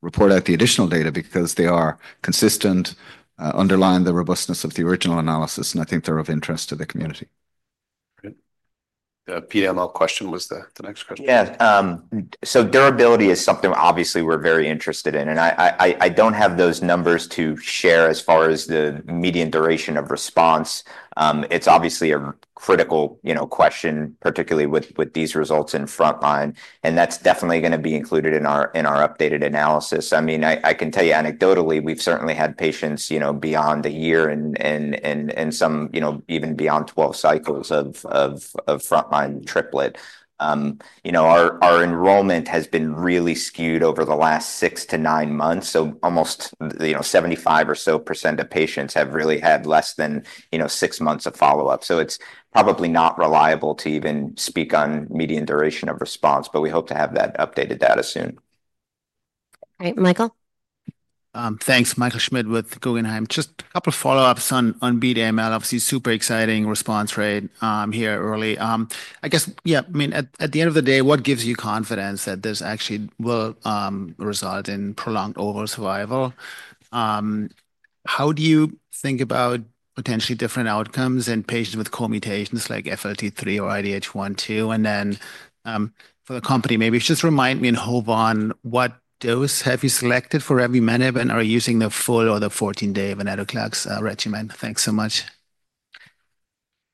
report out the additional data because they are consistent, underlie the robustness of the original analysis, and I think they're of interest to the community.
Peter's next question was the next question.
Yeah. So durability is something obviously we're very interested in. And I don't have those numbers to share as far as the median duration of response. It's obviously a critical question, particularly with these results in front line. And that's definitely going to be included in our updated analysis. I mean, I can tell you anecdotally, we've certainly had patients beyond a year and some even beyond 12 cycles of front line triplet. Our enrollment has been really skewed over the last six to nine months. So almost 75% or so of patients have really had less than six months of follow-up. So it's probably not reliable to even speak on median duration of response, but we hope to have that updated data soon.
All right, Michael.
Thanks. Michael Schmidt with Guggenheim. Just a couple of follow-ups on BEAT AML. Obviously, super exciting response, right? Here early. I guess, yeah, I mean, at the end of the day, what gives you confidence that this actually will result in prolonged overall survival? How do you think about potentially different outcomes in patients with co-mutations like FLT3 or IDH1/2? And then for the company, maybe just remind me and HOVON. What dose have you selected for revumenib and are using the full or the 14-day venetoclax regimen? Thanks so much.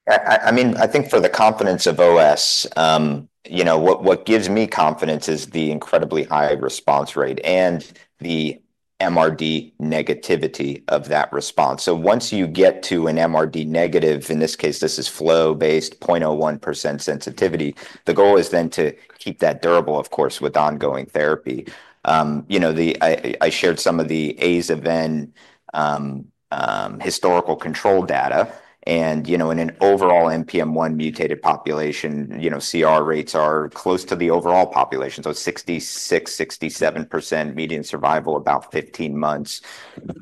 I mean, I think for the confidence of OS, what gives me confidence is the incredibly high response rate and the MRD negativity of that response. So once you get to an MRD negative, in this case, this is flow-based 0.01% sensitivity, the goal is then to keep that durable, of course, with ongoing therapy. I shared some of the Aza/Ven historical control data. In an overall NPM1 mutated population, CR rates are close to the overall population. So 66%, 67% median survival about 15 months.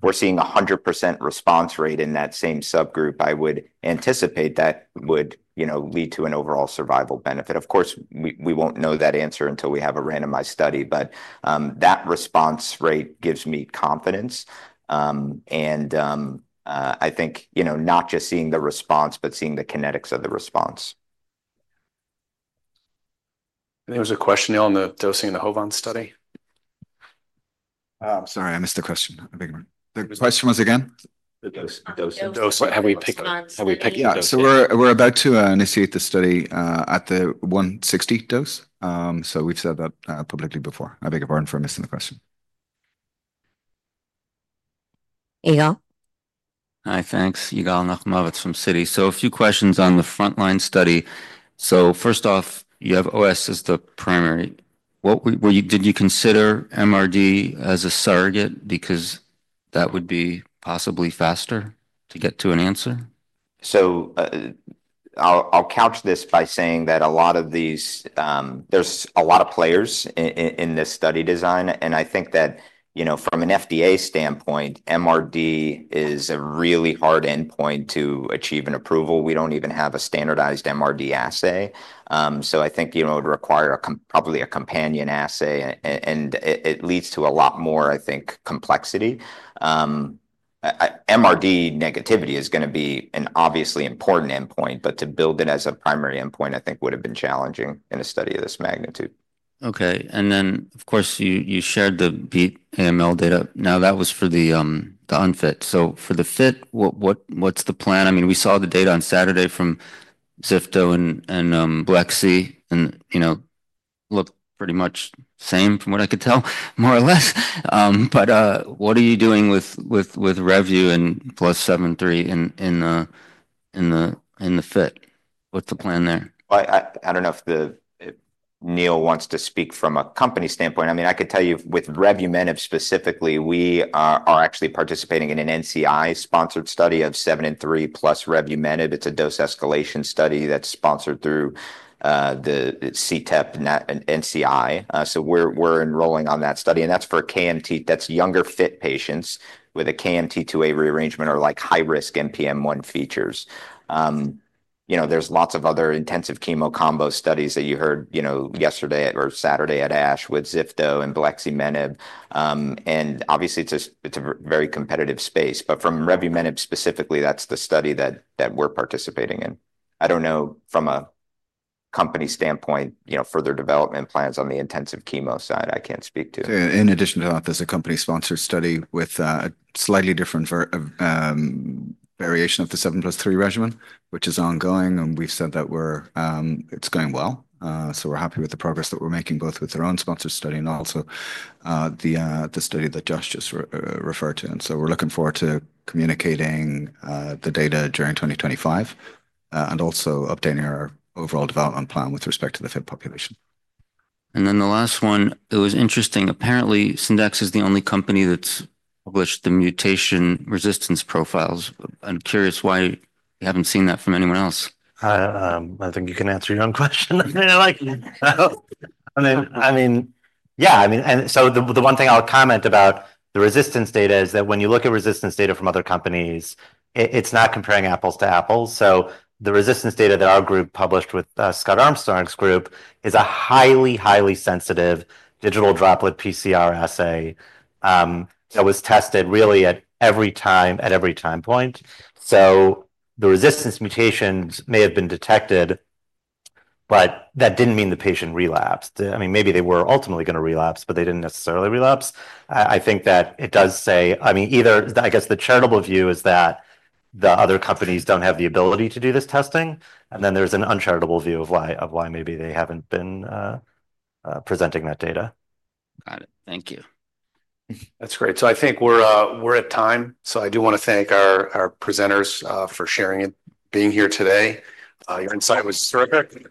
We're seeing a 100% response rate in that same subgroup. I would anticipate that would lead to an overall survival benefit. Of course, we won't know that answer until we have a randomized study. But that response rate gives me confidence. And I think not just seeing the response, but seeing the kinetics of the response.
There was a question on the dosing in the HOVON study.
Sorry, I missed the question. The question was again?
The dosing. How do we pick?
Yeah. So we're about to initiate the study at the 160 dose. So we've said that publicly before. I think we're in for missing the question.
Hi. Thanks. Yigal Nochomovitz from Citi. So a few questions on the front line study. So first off, you have OS as the primary. Did you consider MRD as a surrogate because that would be possibly faster to get to an answer?
So I'll couch this by saying that a lot of these, there's a lot of players in this study design. And I think that from an FDA standpoint, MRD is a really hard endpoint to achieve an approval. We don't even have a standardized MRD assay. So I think it would require probably a companion assay. And it leads to a lot more, I think, complexity. MRD negativity is going to be an obviously important endpoint, but to build it as a primary endpoint, I think would have been challenging in a study of this magnitude.
Okay. And then, of course, you shared the BEAT AML data. Now, that was for the unfit. So for the fit, what's the plan? I mean, we saw the data on Saturday from Zifto and Blexi and looked pretty much same from what I could tell, more or less. But what are you doing with Revuforj and plus seven three in the fit? What's the plan there?
I don't know if Neil wants to speak from a company standpoint. I mean, I could tell you with revumenib specifically, we are actually participating in an NCI-sponsored study of seven and three plus revumenib. It's a dose escalation study that's sponsored through the CTEP NCI. So we're enrolling on that study. And that's for KMT. That's younger fit patients with a KMT2A rearrangement or high-risk NPM1 features. There's lots of other intensive chemo combo studies that you heard yesterday or Saturday at ASH with Zifto and bleximenib. And obviously, it's a very competitive space. But from revumenib specifically, that's the study that we're participating in. I don't know from a company standpoint for their development plans on the intensive chemo side. I can't speak to it.
In addition to that, there's a company-sponsored study with a slightly different variation of the seven plus three regimen, which is ongoing. And we've said that it's going well. So we're happy with the progress that we're making both with our own sponsored study and also the study that Josh just referred to. And so we're looking forward to communicating the data during 2025 and also updating our overall development plan with respect to the fit population.
And then the last one, it was interesting. Apparently, Syndax is the only company that's published the mutation resistance profiles. I'm curious why we haven't seen that from anyone else.
I think you can answer your own question. I mean, yeah. I mean, so the one thing I'll comment about the resistance data is that when you look at resistance data from other companies, it's not comparing apples to apples. So the resistance data that our group published with Scott Armstrong's group is a highly, highly sensitive digital droplet PCR assay that was tested really at every time point. So the resistance mutations may have been detected, but that didn't mean the patient relapsed. I mean, maybe they were ultimately going to relapse, but they didn't necessarily relapse. I think that it does say, I mean, either, I guess the charitable view is that the other companies don't have the ability to do this testing. And then there's an uncharitable view of why maybe they haven't been presenting that data.
Got it. Thank you.
That's great. So I think we're at time. I do want to thank our presenters for sharing and being here today. Your insight was terrific.